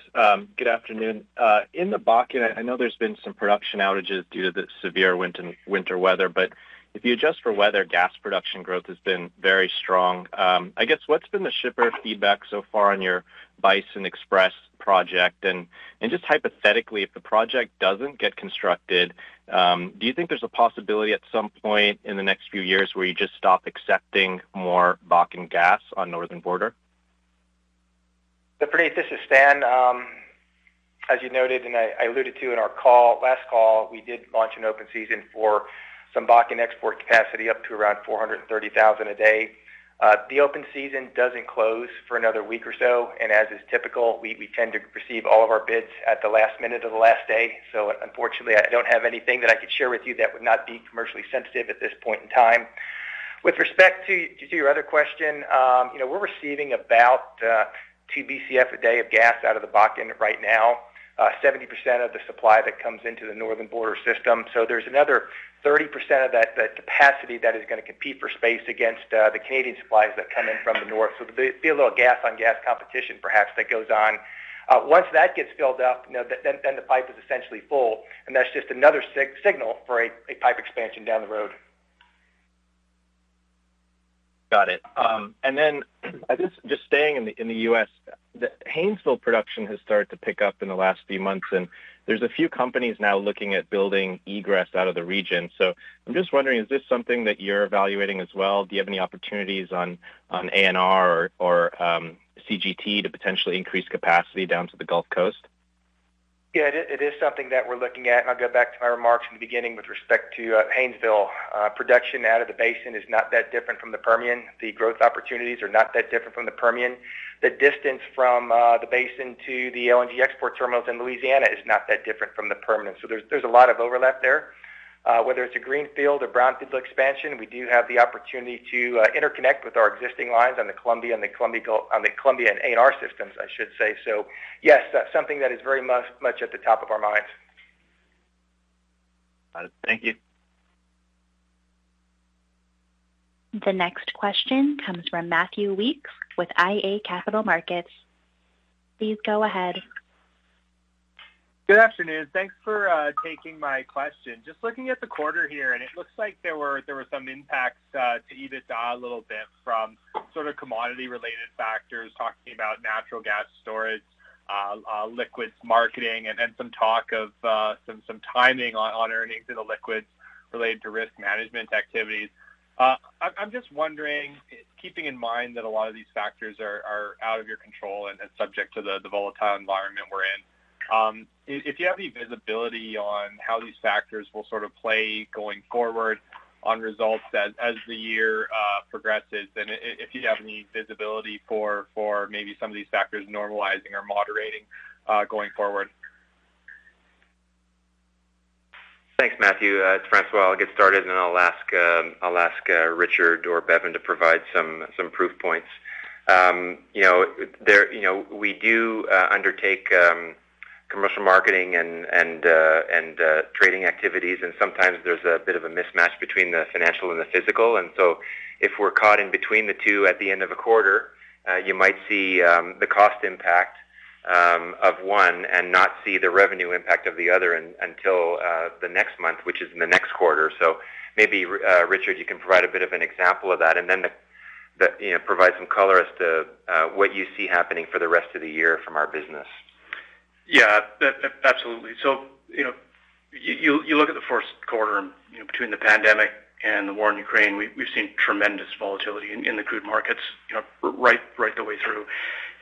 Good afternoon. In the Bakken, I know there's been some production outages due to the severe winter weather, but if you adjust for weather, gas production growth has been very strong. I guess what's been the shipper feedback so far on your Bison XPress project? And just hypothetically, if the project doesn't get constructed, do you think there's a possibility at some point in the next few years where you just stop accepting more Bakken gas on Northern Border? Praneeth, this is Stan. As you noted, and I alluded to in our call, last call, we did launch an open season for some Bakken export capacity up to around 430,000 a day. The open season doesn't close for another week or so, and as is typical, we tend to receive all of our bids at the last minute of the last day. Unfortunately, I don't have anything that I could share with you that would not be commercially sensitive at this point in time. With respect to your other question, you know, we're receiving about 2 BCF a day of gas out of the Bakken right now, 70% of the supply that comes into the Northern Border system. There's another 30% of that capacity that is gonna compete for space against the Canadian supplies that come in from the north. There'll be a little gas on gas competition perhaps that goes on. Once that gets filled up, you know, then the pipe is essentially full, and that's just another signal for a pipe expansion down the road. Got it. I guess just staying in the U.S., the Haynesville production has started to pick up in the last few months, and there's a few companies now looking at building egress out of the region. I'm just wondering, is this something that you're evaluating as well? Do you have any opportunities on ANR or CGT to potentially increase capacity down to the Gulf Coast? Yeah. It is something that we're looking at, and I'll go back to my remarks from the beginning with respect to Haynesville. Production out of the basin is not that different from the Permian. The growth opportunities are not that different from the Permian. The distance from the basin to the LNG export terminals in Louisiana is not that different from the Permian. There's a lot of overlap there. Whether it's a greenfield or brownfield expansion, we do have the opportunity to interconnect with our existing lines on the Columbia and the Columbia Gulf on the Columbia and ANR systems, I should say. Yes, that's something that is very much at the top of our minds. Got it. Thank you. The next question comes from Matthew Weekes with iA Capital Markets. Please go ahead. Good afternoon. Thanks for taking my question. Just looking at the quarter here, and it looks like there were some impacts to EBITDA a little bit from sort of commodity-related factors, talking about natural gas storage, liquids marketing, and then some talk of some timing on earnings in the liquids related to risk management activities. I'm just wondering, keeping in mind that a lot of these factors are out of your control and subject to the volatile environment we're in, if you have any visibility on how these factors will sort of play going forward on results as the year progresses, and if you have any visibility for maybe some of these factors normalizing or moderating going forward. Thanks, Matthew. It's François. I'll get started, and then I'll ask Richard or Bevin to provide some proof points. You know, we undertake commercial marketing and trading activities, and sometimes there's a bit of a mismatch between the financial and the physical. If we're caught in between the two at the end of a quarter, you might see the cost impact of one and not see the revenue impact of the other until the next month, which is in the next quarter. Maybe Richard, you can provide a bit of an example of that, and then that, you know, provide some color as to what you see happening for the rest of the year from our business. Yeah. Absolutely. You know, you look at the first quarter, and you know, between the pandemic and the war in Ukraine, we've seen tremendous volatility in the crude markets, you know, right the way through.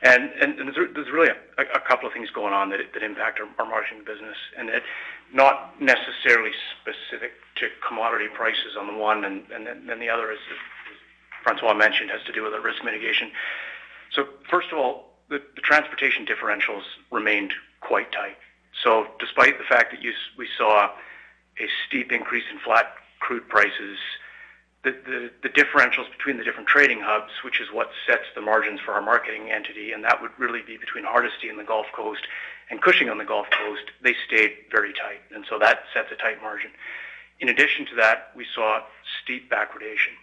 There's really a couple of things going on that impact our margin business. Not necessarily specific to commodity prices on the one, and then the other, as François mentioned, has to do with our risk mitigation. First of all, the transportation differentials remained quite tight. Despite the fact that we saw a steep increase in light crude prices, the differentials between the different trading hubs, which is what sets the margins for our marketing entity, and that would really be between Hardisty and the Gulf Coast and Cushing on the Gulf Coast, they stayed very tight. That sets a tight margin. In addition to that, we saw steep backwardation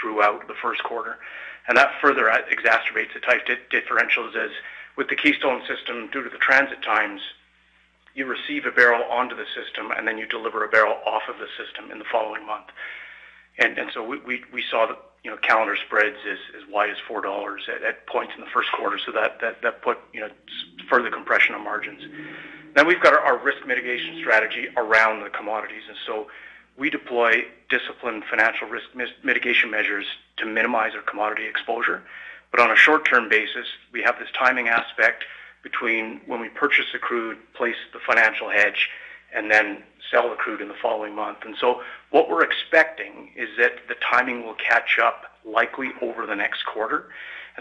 throughout the first quarter, and that further exacerbates the tight differentials as with the Keystone system, due to the transit times, you receive a barrel onto the system, and then you deliver a barrel off of the system in the following month. We saw you know calendar spreads as wide as $4 at points in the first quarter. That put you know further compression on margins. We've got our risk mitigation strategy around the commodities. We deploy disciplined financial risk mitigation measures to minimize our commodity exposure. On a short-term basis, we have this timing aspect between when we purchase the crude, place the financial hedge, and then sell the crude in the following month. What we're expecting is that the timing will catch up likely over the next quarter.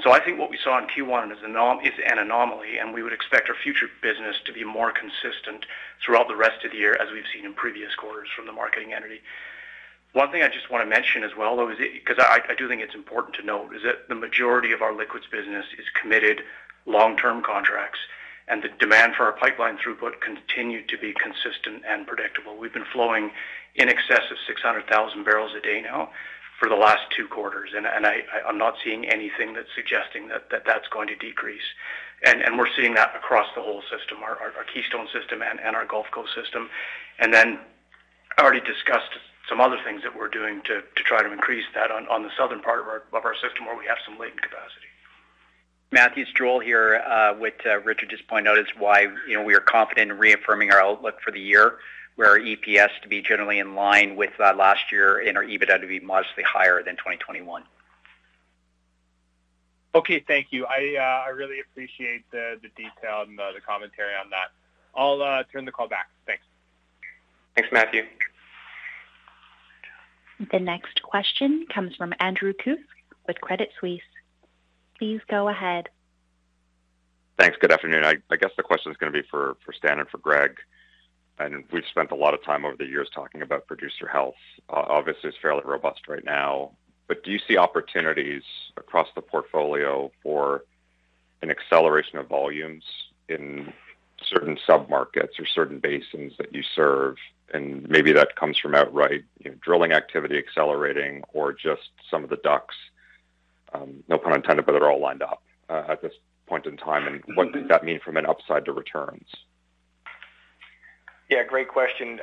I think what we saw in Q1 is an anomaly, and we would expect our future business to be more consistent throughout the rest of the year, as we've seen in previous quarters from the marketing entity. One thing I just wanna mention as well, though, is 'cause I do think it's important to note, is that the majority of our liquids business is committed long-term contracts, and the demand for our pipeline throughput continued to be consistent and predictable. We've been flowing in excess of 600,000 barrels a day now for the last two quarters, and I’m not seeing anything that's suggesting that that's going to decrease. We're seeing that across the whole system, our Keystone system and our Gulf Coast system. I already discussed some other things that we're doing to try to increase that on the southern part of our system, where we have some latent capacity. Matthew, it's Joel here. What Richard just pointed out is why, you know, we are confident in reaffirming our outlook for the year, where our EPS to be generally in line with last year and our EBITDA to be modestly higher than 2021. Okay. Thank you. I really appreciate the detail and the commentary on that. I'll turn the call back. Thanks. Thanks, Matthew. The next question comes from Andrew Kuske with Credit Suisse. Please go ahead. Thanks. Good afternoon. I guess the question is gonna be for Stan and for Greg. We've spent a lot of time over the years talking about producer health. Obviously, it's fairly robust right now. Do you see opportunities across the portfolio for an acceleration of volumes in certain submarkets or certain basins that you serve? And maybe that comes from outright, you know, drilling activity accelerating or just some of the DUCs, no pun intended, but they're all lined up at this point in time. What does that mean from an upside to returns? Yeah, great question.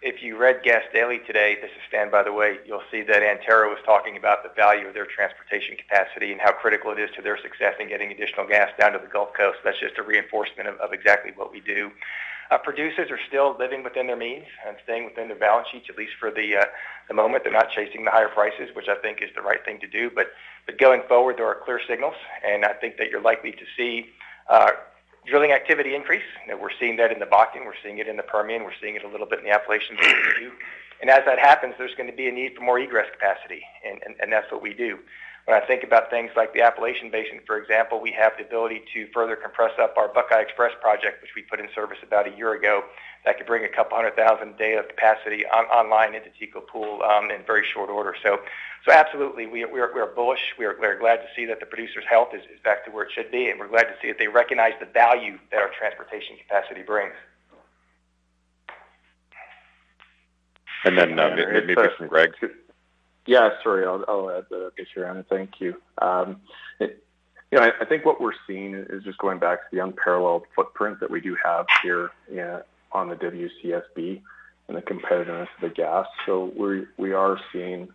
If you read Gas Daily today, this is Stan, by the way, you'll see that Antero was talking about the value of their transportation capacity and how critical it is to their success in getting additional gas down to the Gulf Coast. That's just a reinforcement of exactly what we do. Producers are still living within their means and staying within their balance sheets, at least for the moment. They're not chasing the higher prices, which I think is the right thing to do. But going forward, there are clear signals, and I think that you're likely to see drilling activity increase. You know, we're seeing that in the Bakken. We're seeing it in the Permian. We're seeing it a little bit in the Appalachians too. As that happens, there's gonna be a need for more egress capacity, and that's what we do. When I think about things like the Appalachian Basin, for example, we have the ability to further compress up our Buckeye XPress project, which we put in service about a year ago. That could bring 200,000 a day of capacity online into TECO Pool in very short order. Absolutely, we are bullish. We are glad to see that the producers' health is back to where it should be, and we're glad to see that they recognize the value that our transportation capacity brings. Maybe just from Greg too. Yeah, sorry. I'll add to that, Andrew. Thank you. It you know, I think what we're seeing is just going back to the unparalleled footprint that we do have here, you know, on the WCSB and the competitiveness of the gas. We are seeing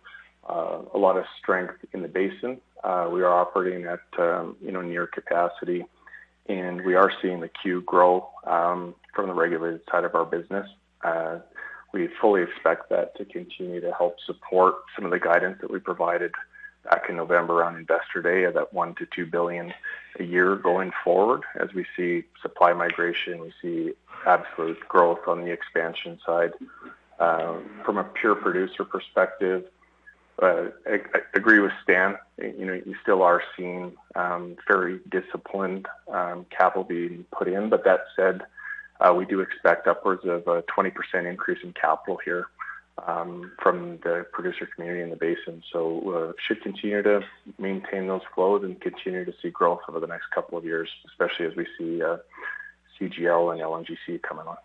a lot of strength in the basin. We are operating at, you know, near capacity, and we are seeing the queue grow from the regulated side of our business. We fully expect that to continue to help support some of the guidance that we provided back in November on Investor Day of that 1 billion-2 billion a year going forward as we see supply migration, we see absolute growth on the expansion side. From a pure producer perspective, I agree with Stan. You know, you still are seeing very disciplined capital being put in. That said, we do expect upwards of a 20% increase in capital here, from the producer community in the basin. Should continue to maintain those flows and continue to see growth over the next couple of years, especially as we see CGL and LNGC coming on.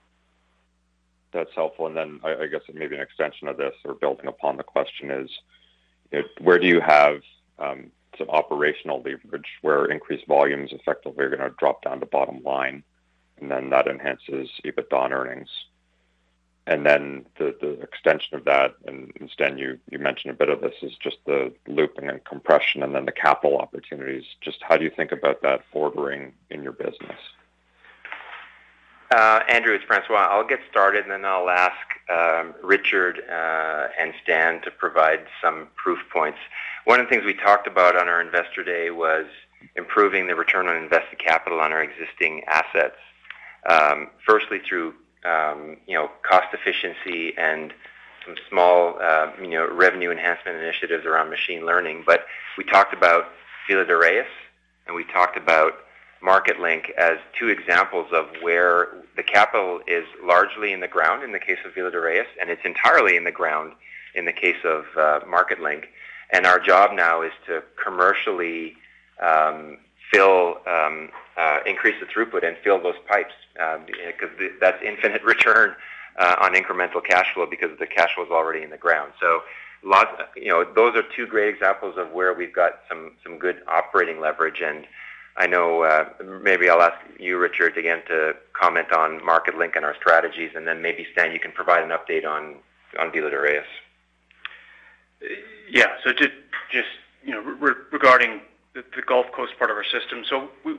That's helpful. Then I guess maybe an extension of this or building upon the question is, where do you have some operational leverage where increased volumes effectively are gonna drop down to bottom line, and then that enhances EBITDA earnings? Then the extension of that, and Stan, you mentioned a bit of this, is just the looping and compression and then the capital opportunities. Just how do you think about that going forward in your business? Andrew, it's François. I'll get started, and then I'll ask Richard and Stan to provide some proof points. One of the things we talked about on our Investor Day was improving the return on invested capital on our existing assets. Firstly, through you know, cost efficiency and some small you know, revenue enhancement initiatives around machine learning. We talked about Villa de Reyes, and we talked about Marketlink as two examples of where the capital is largely in the ground in the case of Villa de Reyes, and it's entirely in the ground in the case of Marketlink. Our job now is to commercially increase the throughput and fill those pipes because that's infinite return on incremental cash flow because the cash flow is already in the ground. You know, those are two great examples of where we've got some good operating leverage. I know, maybe I'll ask you, Richard, again to comment on Marketlink and our strategies, and then maybe, Stan, you can provide an update on Villa de Reyes. Just, you know, regarding the Gulf Coast part of our system.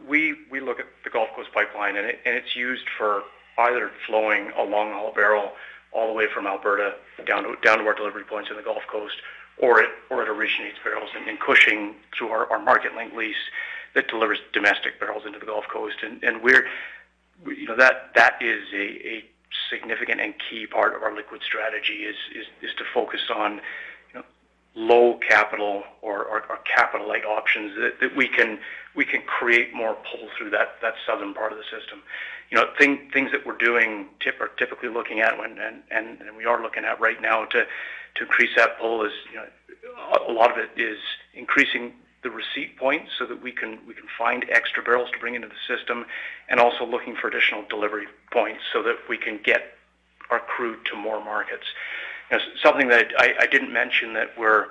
We look at the Gulf Coast pipeline, and it's used for either flowing along the whole barrel all the way from Alberta down to our delivery points in the Gulf Coast, or it originates barrels in Cushing through our MarketLink lease that delivers domestic barrels into the Gulf Coast. We're. You know, that is a significant and key part of our liquids strategy is to focus on, you know, low capital or capital-light options that we can create more pull through that southern part of the system. You know, things that we're doing typically looking at when we are looking at right now to increase that pull is, you know, a lot of it is increasing the receipt points so that we can find extra barrels to bring into the system and also looking for additional delivery points so that we can get our crude to more markets. Something that I didn't mention that we're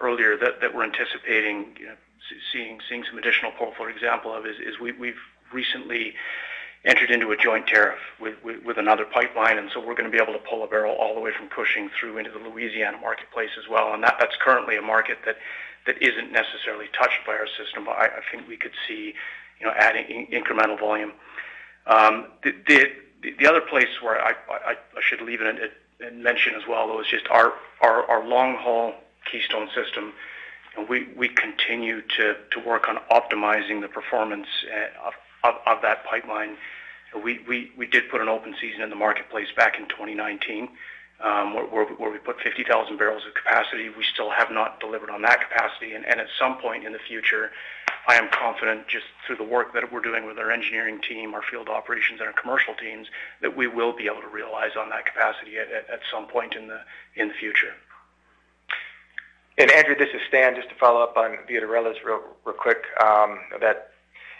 earlier that we're anticipating, you know, seeing some additional pull, for example, is we've recently entered into a joint tariff with another pipeline, and so we're gonna be able to pull a barrel all the way from Cushing through into the Louisiana marketplace as well. That's currently a market that isn't necessarily touched by our system, but I think we could see, you know, adding incremental volume. The other place where I should leave it at and mention as well, though, is just our long-haul Keystone system. We did put an open season in the marketplace back in 2019, where we put 50,000 barrels of capacity. We still have not delivered on that capacity. at some point in the future, I am confident just through the work that we're doing with our engineering team, our field operations, and our commercial teams, that we will be able to realize on that capacity at some point in the future. Andrew, this is Stan. Just to follow up on Villa de Reyes real quick, that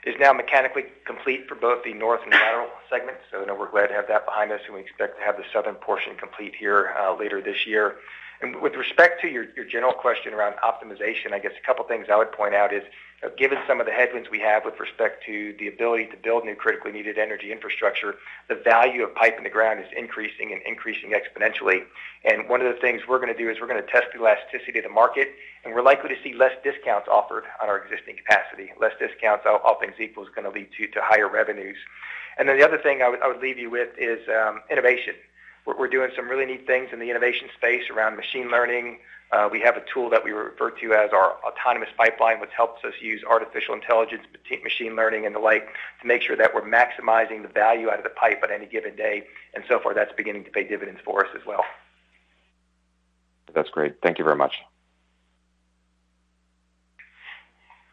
is now mechanically complete for both the north and lateral segments. I know we're glad to have that behind us, and we expect to have the southern portion complete here later this year. With respect to your general question around optimization, I guess a couple of things I would point out is, given some of the headwinds we have with respect to the ability to build new critically needed energy infrastructure, the value of pipe in the ground is increasing exponentially. One of the things we're gonna do is we're gonna test the elasticity of the market, and we're likely to see less discounts offered on our existing capacity. Less discounts, all things equal, is gonna lead to higher revenues. The other thing I would leave you with is innovation. We're doing some really neat things in the innovation space around machine learning. We have a tool that we refer to as our autonomous pipeline, which helps us use artificial intelligence, machine learning and the like to make sure that we're maximizing the value out of the pipe on any given day. So far, that's beginning to pay dividends for us as well. That's great. Thank you very much.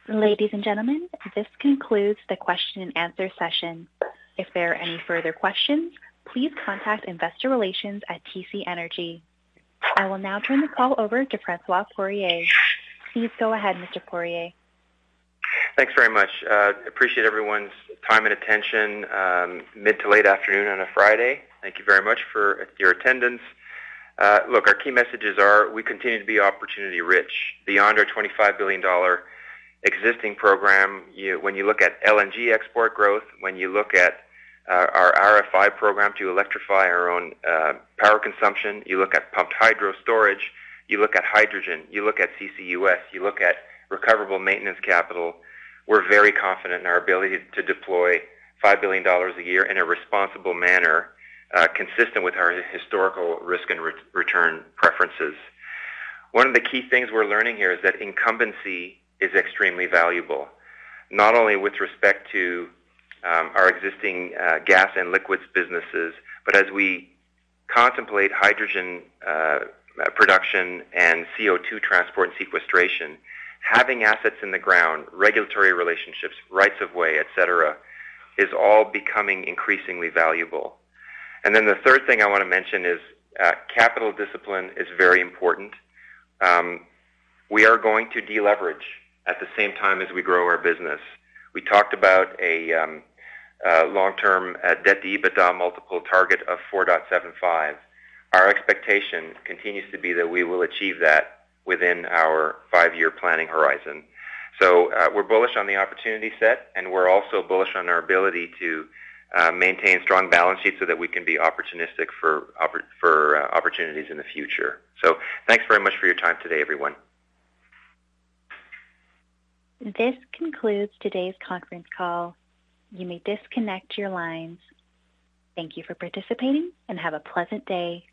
Ladies and gentlemen, this concludes the question and answer session. If there are any further questions, please contact Investor Relations at TC Energy. I will now turn the call over to François Poirier. Please go ahead, Mr. Poirier. Thanks very much. Appreciate everyone's time and attention, mid to late afternoon on a Friday. Thank you very much for your attendance. Look, our key messages are we continue to be opportunity-rich. Beyond our $25 billion existing program, when you look at LNG export growth, when you look at our RFI program to electrify our own power consumption, you look at pumped hydro storage, you look at hydrogen, you look at CCUS, you look at recoverable maintenance capital, we're very confident in our ability to deploy $5 billion a year in a responsible manner, consistent with our historical risk and return preferences. One of the key things we're learning here is that incumbency is extremely valuable, not only with respect to our existing gas and liquids businesses, but as we contemplate hydrogen production and CO2 transport and sequestration, having assets in the ground, regulatory relationships, rights of way, et cetera, is all becoming increasingly valuable. The third thing I wanna mention is capital discipline is very important. We are going to deleverage at the same time as we grow our business. We talked about a long-term debt-to-EBITDA multiple target of 4.75. Our expectation continues to be that we will achieve that within our five-year planning horizon. We're bullish on the opportunity set, and we're also bullish on our ability to maintain strong balance sheets so that we can be opportunistic for opportunities in the future. Thanks very much for your time today, everyone. This concludes today's conference call. You may disconnect your lines. Thank you for participating and have a pleasant day.